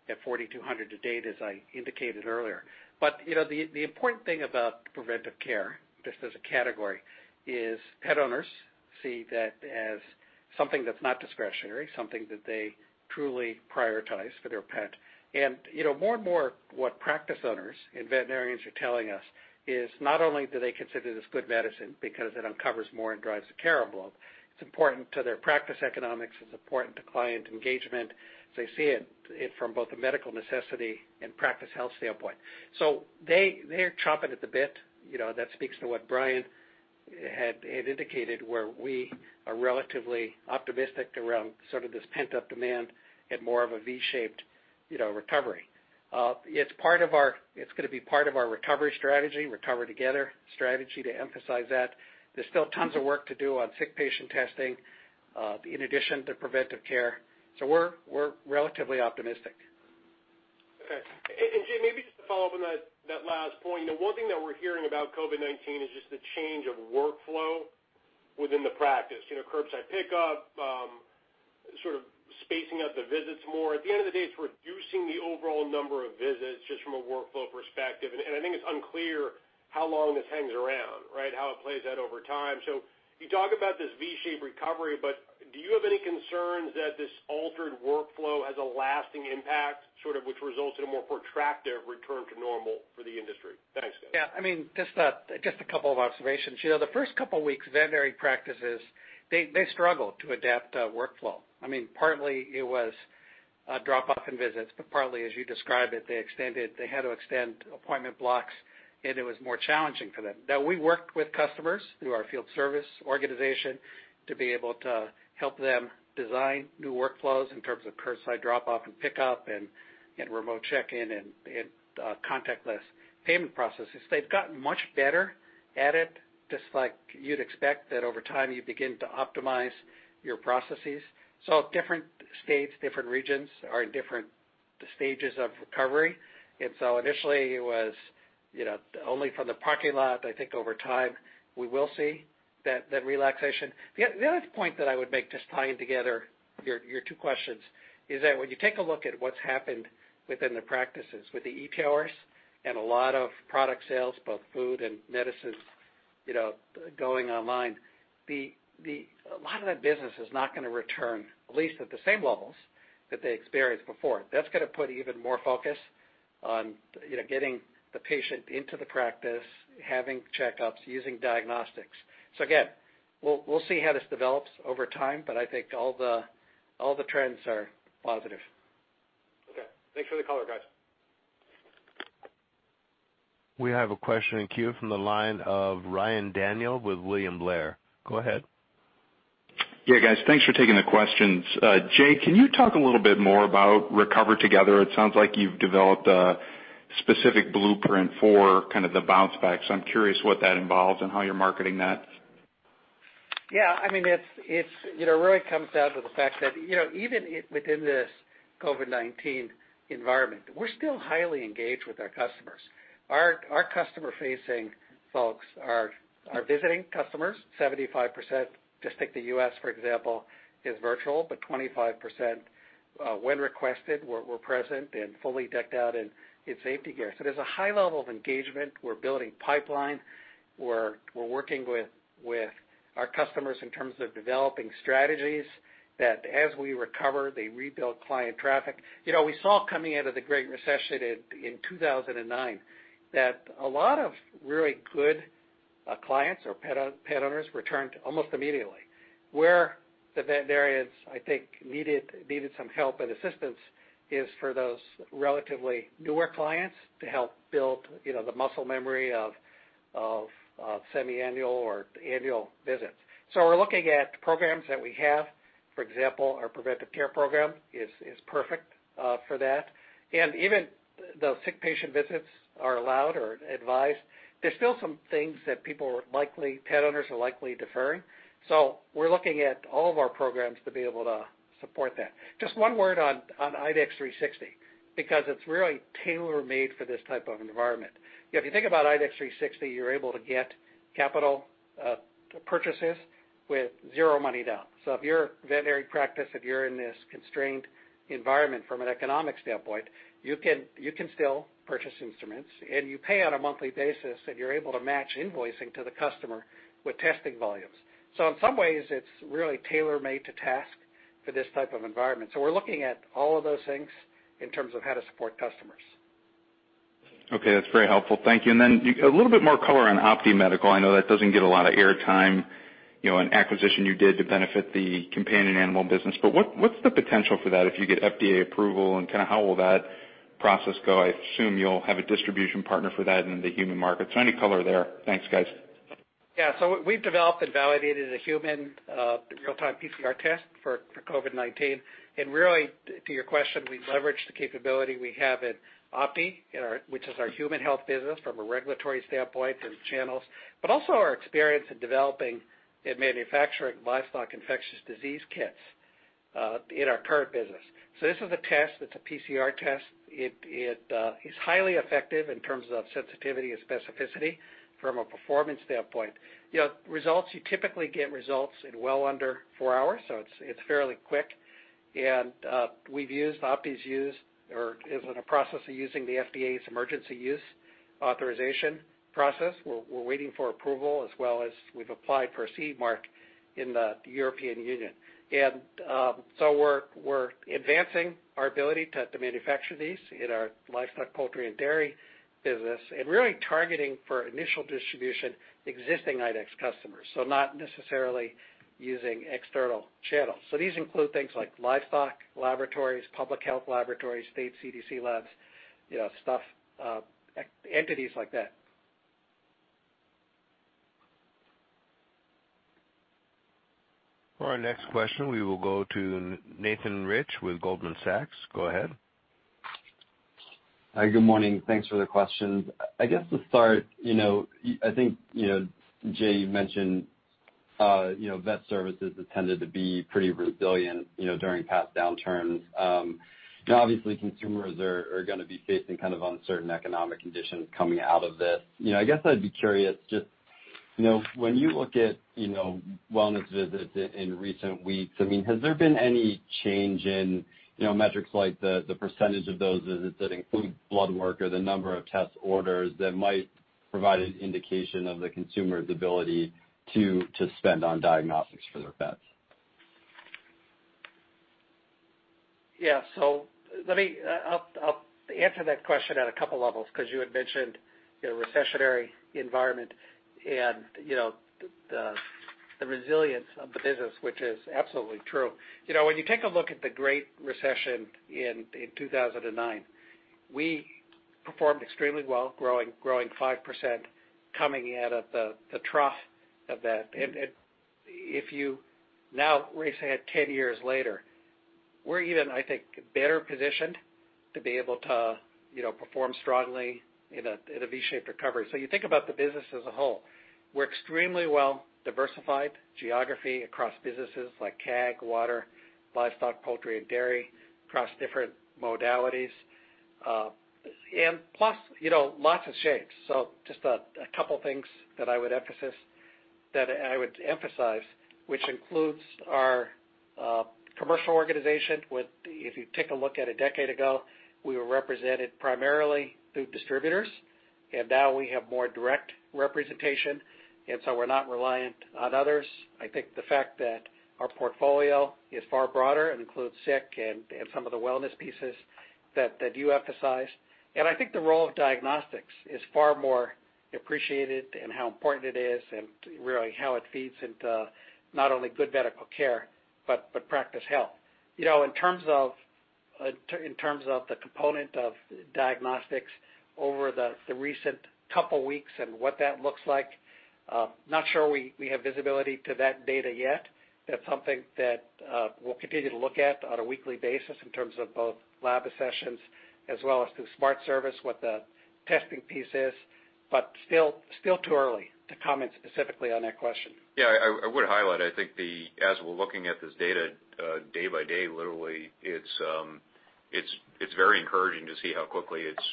at 4,200 to date, as I indicated earlier. The important thing about IDEXX Preventive Care, just as a category, is pet owners see that as something that's not discretionary, something that they truly prioritize for their pet. More and more, what practice owners and veterinarians are telling us is not only do they consider this good medicine because it uncovers more and drives the care envelope, it's important to their practice economics. It's important to client engagement. They see it from both a medical necessity and practice health standpoint. They're chomping at the bit. That speaks to what Brian had indicated, where we are relatively optimistic around sort of this pent-up demand and more of a V-shaped recovery. It's going to be part of our recovery strategy, Recover Together strategy, to emphasize that. There's still tons of work to do on sick patient testing in addition to IDEXX Preventive Care. We're relatively optimistic. Okay. Jay, maybe just to follow up on that last point. One thing that we're hearing about COVID-19 is just the change of workflow within the practice. Curbside pickup, sort of spacing out the visits more. At the end of the day, it's reducing the overall number of visits just from a workflow perspective. I think it's unclear how long this hangs around, right? How it plays out over time. You talk about this V-shaped recovery, but do you have any concerns that this altered workflow has a lasting impact, sort of which results in a more protracted return to normal for the industry? Thanks, guys. Just a couple of observations. The first couple of weeks, veterinary practices, they struggled to adapt workflow. Partly it was drop-off in visits, partly, as you described it, they had to extend appointment blocks, and it was more challenging for them. We worked with customers through our field service organization to be able to help them design new workflows in terms of curbside drop-off and pick-up and remote check-in and contactless payment processes. They've gotten much better at it, just like you'd expect that over time you begin to optimize your processes. Different states, different regions are in different stages of recovery. Initially, it was only from the parking lot. I think over time, we will see that relaxation. The other point that I would make, just tying together your two questions, is that when you take a look at what's happened within the practices with the e-tailers and a lot of product sales, both food and medicines going online, a lot of that business is not going to return, at least at the same levels that they experienced before. That's going to put even more focus on getting the patient into the practice, having checkups, using diagnostics. Again, we'll see how this develops over time, but I think all the trends are positive. Okay. Thanks for the color, guys. We have a question in queue from the line of Ryan Daniels with William Blair. Go ahead. Yeah, guys. Thanks for taking the questions. Jay, can you talk a little bit more about Recover Together? It sounds like you've developed a specific blueprint for kind of the bounce back. I'm curious what that involves and how you're marketing that? It really comes down to the fact that even within this COVID-19 environment, we're still highly engaged with our customers. Our customer-facing folks are visiting customers. 75%, just take the U.S., for example, is virtual, 25%, when requested, were present and fully decked out in safety gear. There's a high level of engagement. We're building pipeline. We're working with our customers in terms of developing strategies that as we recover, they rebuild client traffic. We saw coming out of the Great Recession in 2009 that a lot of really good clients or pet owners returned almost immediately. Where the veterinarians, I think, needed some help and assistance is for those relatively newer clients to help build the muscle memory of semiannual or annual visits. We're looking at programs that we have. For example, our IDEXX Preventive Care program is perfect for that. Even the sick patient visits are allowed or advised. There's still some things that pet owners are likely deferring. We're looking at all of our programs to be able to support that. Just one word on IDEXX 360, because it's really tailor-made for this type of environment. If you think about IDEXX 360, you're able to get capital purchases with zero money down. If you're a veterinary practice, if you're in this constrained environment from an economic standpoint, you can still purchase instruments, and you pay on a monthly basis, and you're able to match invoicing to the customer with testing volumes. In some ways, it's really tailor-made to task for this type of environment. We're looking at all of those things in terms of how to support customers. Okay. That's very helpful. Thank you. A little bit more color on OPTI Medical. I know that doesn't get a lot of air time, an acquisition you did to benefit the companion animal business. What's the potential for that if you get FDA approval, and how will that process go? I assume you'll have a distribution partner for that in the human market. Any color there. Thanks, guys. Yeah. We've developed and validated a human real-time PCR test for COVID-19. Really, to your question, we leverage the capability we have at OPTI, which is our human health business from a regulatory standpoint and channels, but also our experience in developing and manufacturing livestock infectious disease kits in our current business. This is a test. It's a PCR test. It is highly effective in terms of sensitivity and specificity from a performance standpoint. Results, you typically get results in well under four hours, so it's fairly quick. OPTI's in a process of using the FDA's Emergency Use Authorization process. We're waiting for approval, as well as we've applied for a CE mark in the European Union. We're advancing our ability to manufacture these in our livestock, poultry, and dairy business, and really targeting for initial distribution existing IDEXX customers. Not necessarily using external channels. These include things like livestock laboratories, public health laboratories, state CDC labs, entities like that. For our next question, we will go to Nathan Rich with Goldman Sachs. Go ahead. Hi. Good morning. Thanks for the questions. I guess to start, I think, Jay, you've mentioned vet services has tended to be pretty resilient during past downturns. Obviously consumers are going to be facing uncertain economic conditions coming out of this. I guess I'd be curious, just when you look at wellness visits in recent weeks, has there been any change in metrics like the % of those visits that include blood work or the number of test orders that might provide an indication of the consumer's ability to spend on diagnostics for their vets? Yeah. I'll answer that question at a couple levels, because you had mentioned recessionary environment and the resilience of the business, which is absolutely true. When you take a look at the Great Recession in 2009, we performed extremely well, growing 5%, coming out of the trough of that. If you now reset 10 years later, we're even, I think, better positioned to be able to perform strongly in a V-shaped recovery. You think about the business as a whole. We're extremely well diversified, geography across businesses like CAG, water, livestock, poultry, and dairy, across different modalities. Plus, lots of shapes. Just a couple of things that I would emphasize, which includes our commercial organization with, if you take a look at a decade ago, we were represented primarily through distributors, and now we have more direct representation, and so we're not reliant on others. I think the fact that our portfolio is far broader and includes sick and some of the wellness pieces that you emphasized. I think the role of diagnostics is far more appreciated in how important it is and really how it feeds into not only good medical care, but practice health. In terms of the component of diagnostics over the recent couple weeks and what that looks like, not sure we have visibility to that data yet. That's something that we'll continue to look at on a weekly basis in terms of both lab sessions as well as through SmartFlow, what the testing piece is, but still too early to comment specifically on that question. I would highlight, I think as we're looking at this data day by day, literally, it's very encouraging to see how quickly it's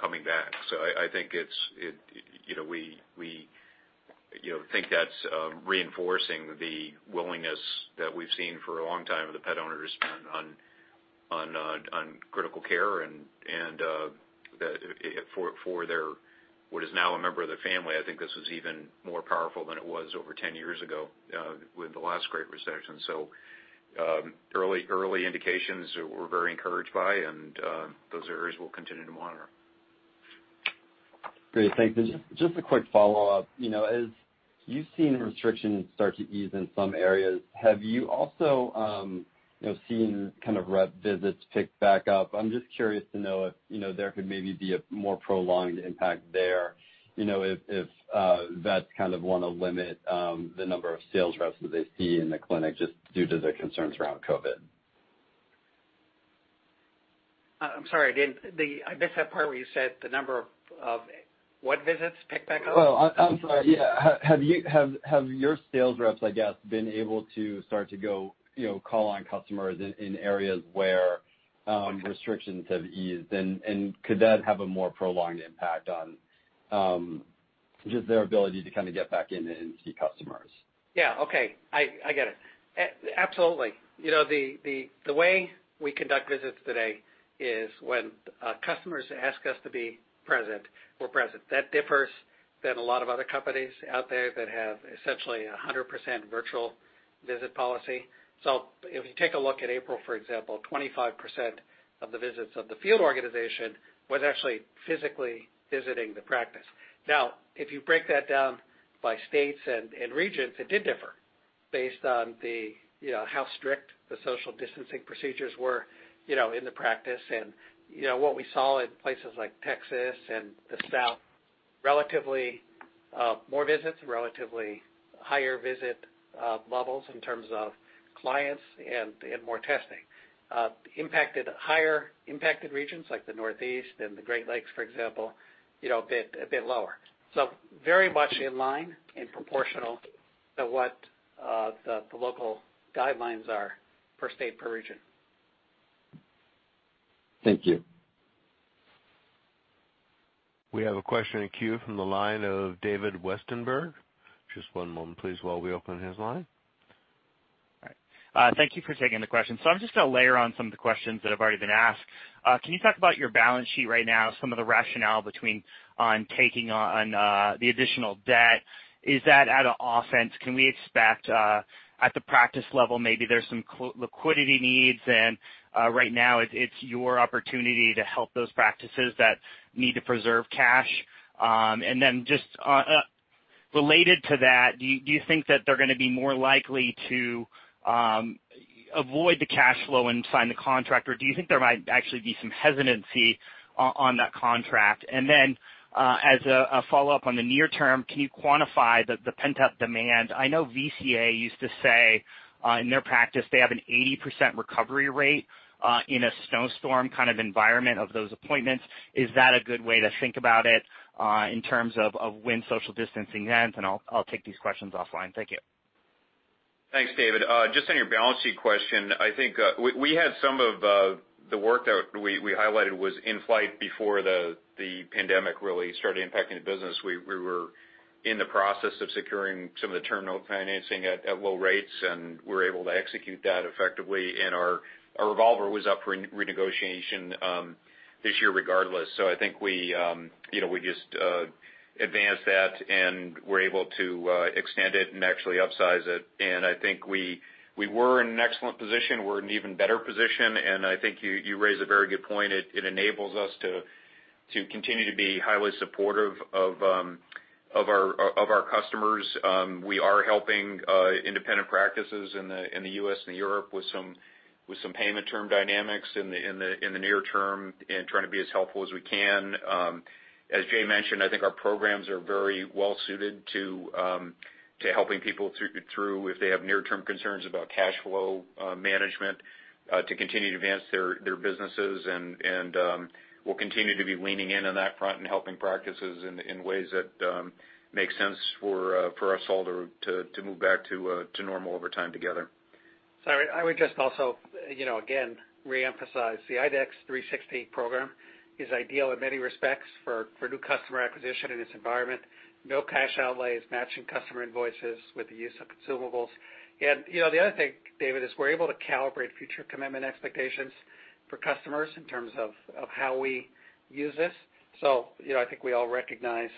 coming back. I think that's reinforcing the willingness that we've seen for a long time of the pet owner to spend on critical care and for what is now a member of their family. I think this is even more powerful than it was over 10 years ago with the last great recession. Early indications we're very encouraged by, and those are areas we'll continue to monitor. Great. Thanks. Just a quick follow-up. As you've seen restrictions start to ease in some areas, have you also seen rep visits pick back up? I'm just curious to know if there could maybe be a more prolonged impact there, if vets want to limit the number of sales reps that they see in the clinic just due to their concerns around COVID. I'm sorry, I missed that part where you said the number of what visits pick back up? Oh, I'm sorry. Yeah. Have your sales reps, I guess, been able to start to go call on customers in areas where restrictions have eased? Could that have a more prolonged impact on just their ability to get back in and see customers? Yeah. Okay. I get it. Absolutely. The way we conduct visits today is when customers ask us to be present, we're present. That differs than a lot of other companies out there that have essentially 100% virtual visit policy. If you take a look at April, for example, 25% of the visits of the field organization was actually physically visiting the practice. If you break that down by states and regions, it did differ based on how strict the social distancing procedures were in the practice. What we saw in places like Texas and the South, relatively more visits, relatively higher visit levels in terms of clients and more testing. Higher impacted regions like the Northeast and the Great Lakes, for example, a bit lower. Very much in line and proportional to what the local guidelines are per state, per region. Thank you. We have a question in queue from the line of David Westenberg. Just one moment please, while we open his line. All right. Thank you for taking the question. I'm just going to layer on some of the questions that have already been asked. Can you talk about your balance sheet right now, some of the rationale between on taking on the additional debt? Is that at an offense? Can we expect at the practice level, maybe there's some liquidity needs and right now it's your opportunity to help those practices that need to preserve cash? Just related to that, do you think that they're going to be more likely to avoid the cash flow and sign the contract, or do you think there might actually be some hesitancy on that contract? As a follow-up on the near term, can you quantify the pent-up demand? I know VCA used to say, in their practice, they have an 80% recovery rate, in a snowstorm kind of environment of those appointments. Is that a good way to think about it in terms of when social distancing ends? I'll take these questions offline. Thank you. Thanks, David. Just on your balance sheet question, I think we had some of the work that we highlighted was in flight before the pandemic really started impacting the business. We were in the process of securing some of the terminal financing at low rates, and we were able to execute that effectively. Our revolver was up for renegotiation this year regardless. I think we just advanced that and were able to extend it and actually upsize it. I think we were in an excellent position. We're in an even better position, and I think you raise a very good point. It enables us to continue to be highly supportive of our customers. We are helping independent practices in the U.S. and Europe with some payment term dynamics in the near term and trying to be as helpful as we can. As Jay mentioned, I think our programs are very well-suited to helping people through if they have near-term concerns about cash flow management, to continue to advance their businesses and we'll continue to be leaning in on that front and helping practices in ways that make sense for us all to move back to normal over time together. Sorry. I would just also again reemphasize the IDEXX 360 program is ideal in many respects for new customer acquisition in this environment. No cash outlays matching customer invoices with the use of consumables. The other thing, David, is we're able to calibrate future commitment expectations for customers in terms of how we use this. I think we all recognize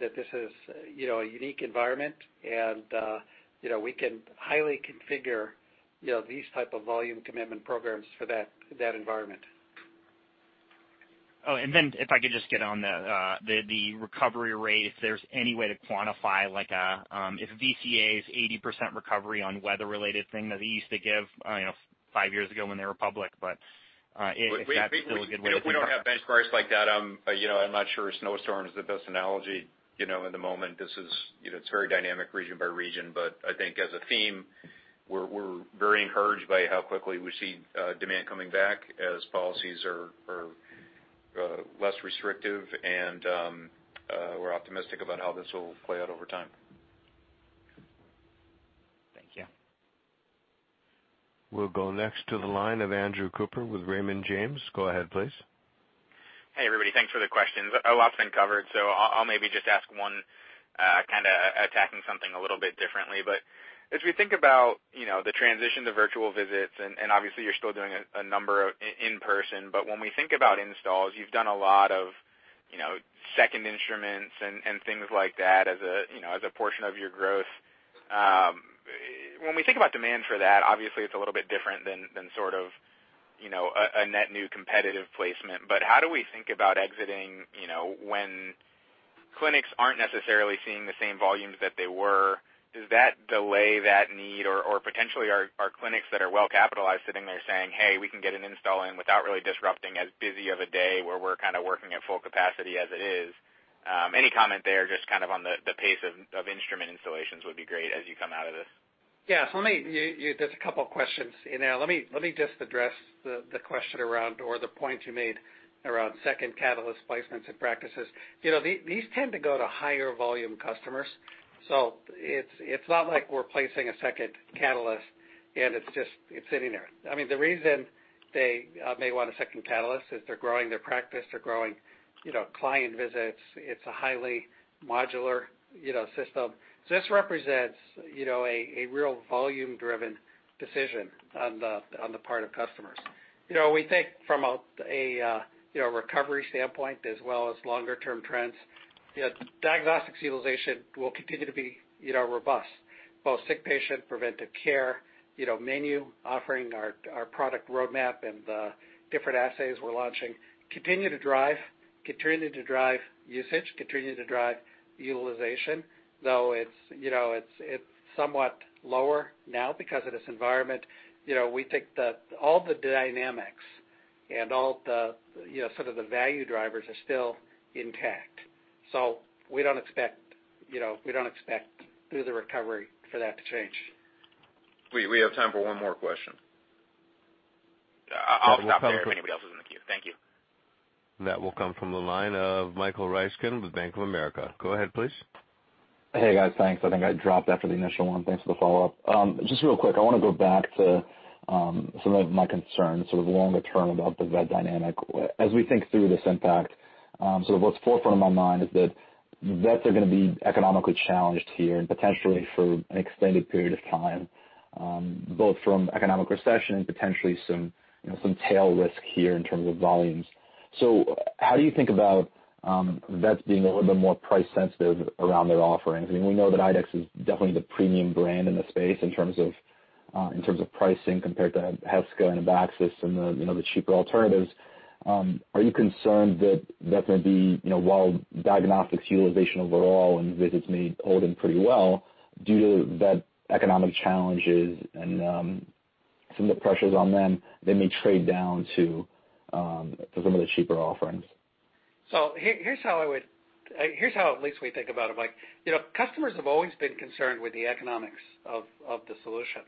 that this is a unique environment and we can highly configure these type of volume commitment programs for that environment. If I could just get on the recovery rate, if there's any way to quantify, like if VCA's 80% recovery on weather-related thing that they used to give five years ago when they were public, but if that's really good way to think about it. We don't have benchmarks like that. I'm not sure snowstorm is the best analogy in the moment. It's very dynamic region by region. I think as a theme, we're very encouraged by how quickly we see demand coming back as policies are less restrictive and we're optimistic about how this will play out over time. Thank you. We'll go next to the line of Andrew Cooper with Raymond James. Go ahead please. Hey, everybody. Thanks for the questions. A lot's been covered, so I'll maybe just ask one, kind of attacking something a little bit differently. As we think about the transition to virtual visits, and obviously you're still doing a number of in-person, but when we think about installs, you've done a lot of second instruments and things like that as a portion of your growth. When we think about demand for that, obviously it's a little bit different than sort of a net new competitive placement. How do we think about exiting when clinics aren't necessarily seeing the same volumes that they were? Does that delay that need? Potentially are clinics that are well-capitalized sitting there saying, "Hey, we can get an install in without really disrupting as busy of a day where we're kind of working at full capacity as it is." Any comment there, just on the pace of instrument installations would be great as you come out of this. Yeah. There's a couple of questions in there. Let me just address the question around or the point you made around second Catalyst placements at practices. These tend to go to higher volume customers. It's not like we're placing a second Catalyst and it's sitting there. The reason they may want a second Catalyst is they're growing their practice, they're growing client visits. It's a highly modular system. This represents a real volume-driven decision on the part of customers. We think from a recovery standpoint, as well as longer-term trends, diagnostics utilization will continue to be robust. Both sick patient, preventive care, menu offering, our product roadmap, and the different assays we're launching continue to drive usage, continue to drive utilization, though it's somewhat lower now because of this environment. We think that all the dynamics and all the value drivers are still intact. We don't expect through the recovery for that to change. We have time for one more question. I'll stop there if anybody else is in the queue. Thank you. That will come from the line of Michael Ryskin with Bank of America. Go ahead, please. Hey, guys. Thanks. I think I dropped after the initial one. Thanks for the follow-up. Just real quick, I want to go back to some of my concerns, sort of longer term about the vet dynamic. As we think through this impact, what's forefront in my mind is that vets are going to be economically challenged here and potentially for an extended period of time, both from economic recession and potentially some tail risk here in terms of volumes. How do you think about vets being a little bit more price sensitive around their offerings? We know that IDEXX is definitely the premium brand in the space in terms of pricing compared to Heska and Abaxis and the cheaper alternatives. Are you concerned that vets may be, while diagnostics utilization overall and visits may hold in pretty well due to vet economic challenges and some of the pressures on them, they may trade down to some of the cheaper offerings? Here's how at least we think about it. Customers have always been concerned with the economics of the solution.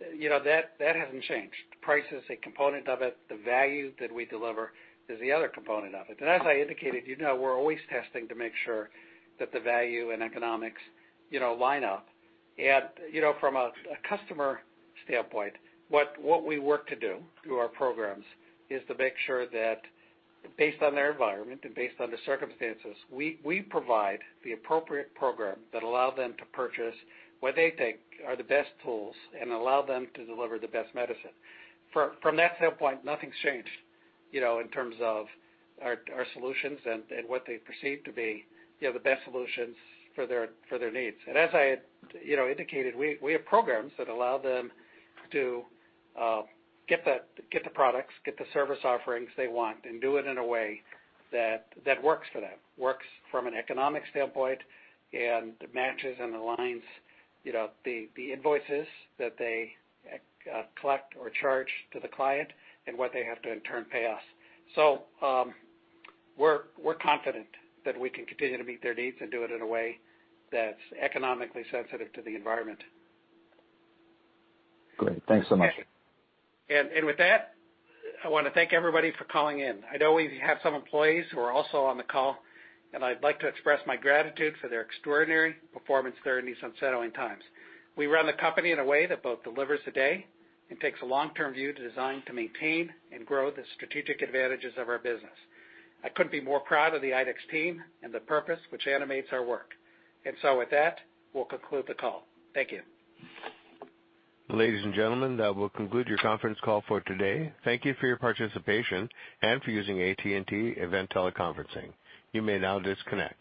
That hasn't changed. Price is a component of it. The value that we deliver is the other component of it. As I indicated, we're always testing to make sure that the value and economics line up. From a customer standpoint, what we work to do through our programs is to make sure that based on their environment and based on the circumstances, we provide the appropriate program that allow them to purchase what they think are the best tools and allow them to deliver the best medicine. From that standpoint, nothing's changed in terms of our solutions and what they perceive to be the best solutions for their needs. As I indicated, we have programs that allow them to get the products, get the service offerings they want, and do it in a way that works for them. Works from an economic standpoint and matches and aligns the invoices that they collect or charge to the client and what they have to in turn pay us. We're confident that we can continue to meet their needs and do it in a way that's economically sensitive to the environment. Great. Thanks so much. With that, I want to thank everybody for calling in. I know we have some employees who are also on the call, and I'd like to express my gratitude for their extraordinary performance during these unsettling times. We run the company in a way that both delivers today and takes a long-term view to design to maintain and grow the strategic advantages of our business. I couldn't be more proud of the IDEXX team and the purpose which animates our work. With that, we'll conclude the call. Thank you. Ladies and gentlemen, that will conclude your conference call for today. Thank you for your participation and for using AT&T Event Teleconferencing. You may now disconnect.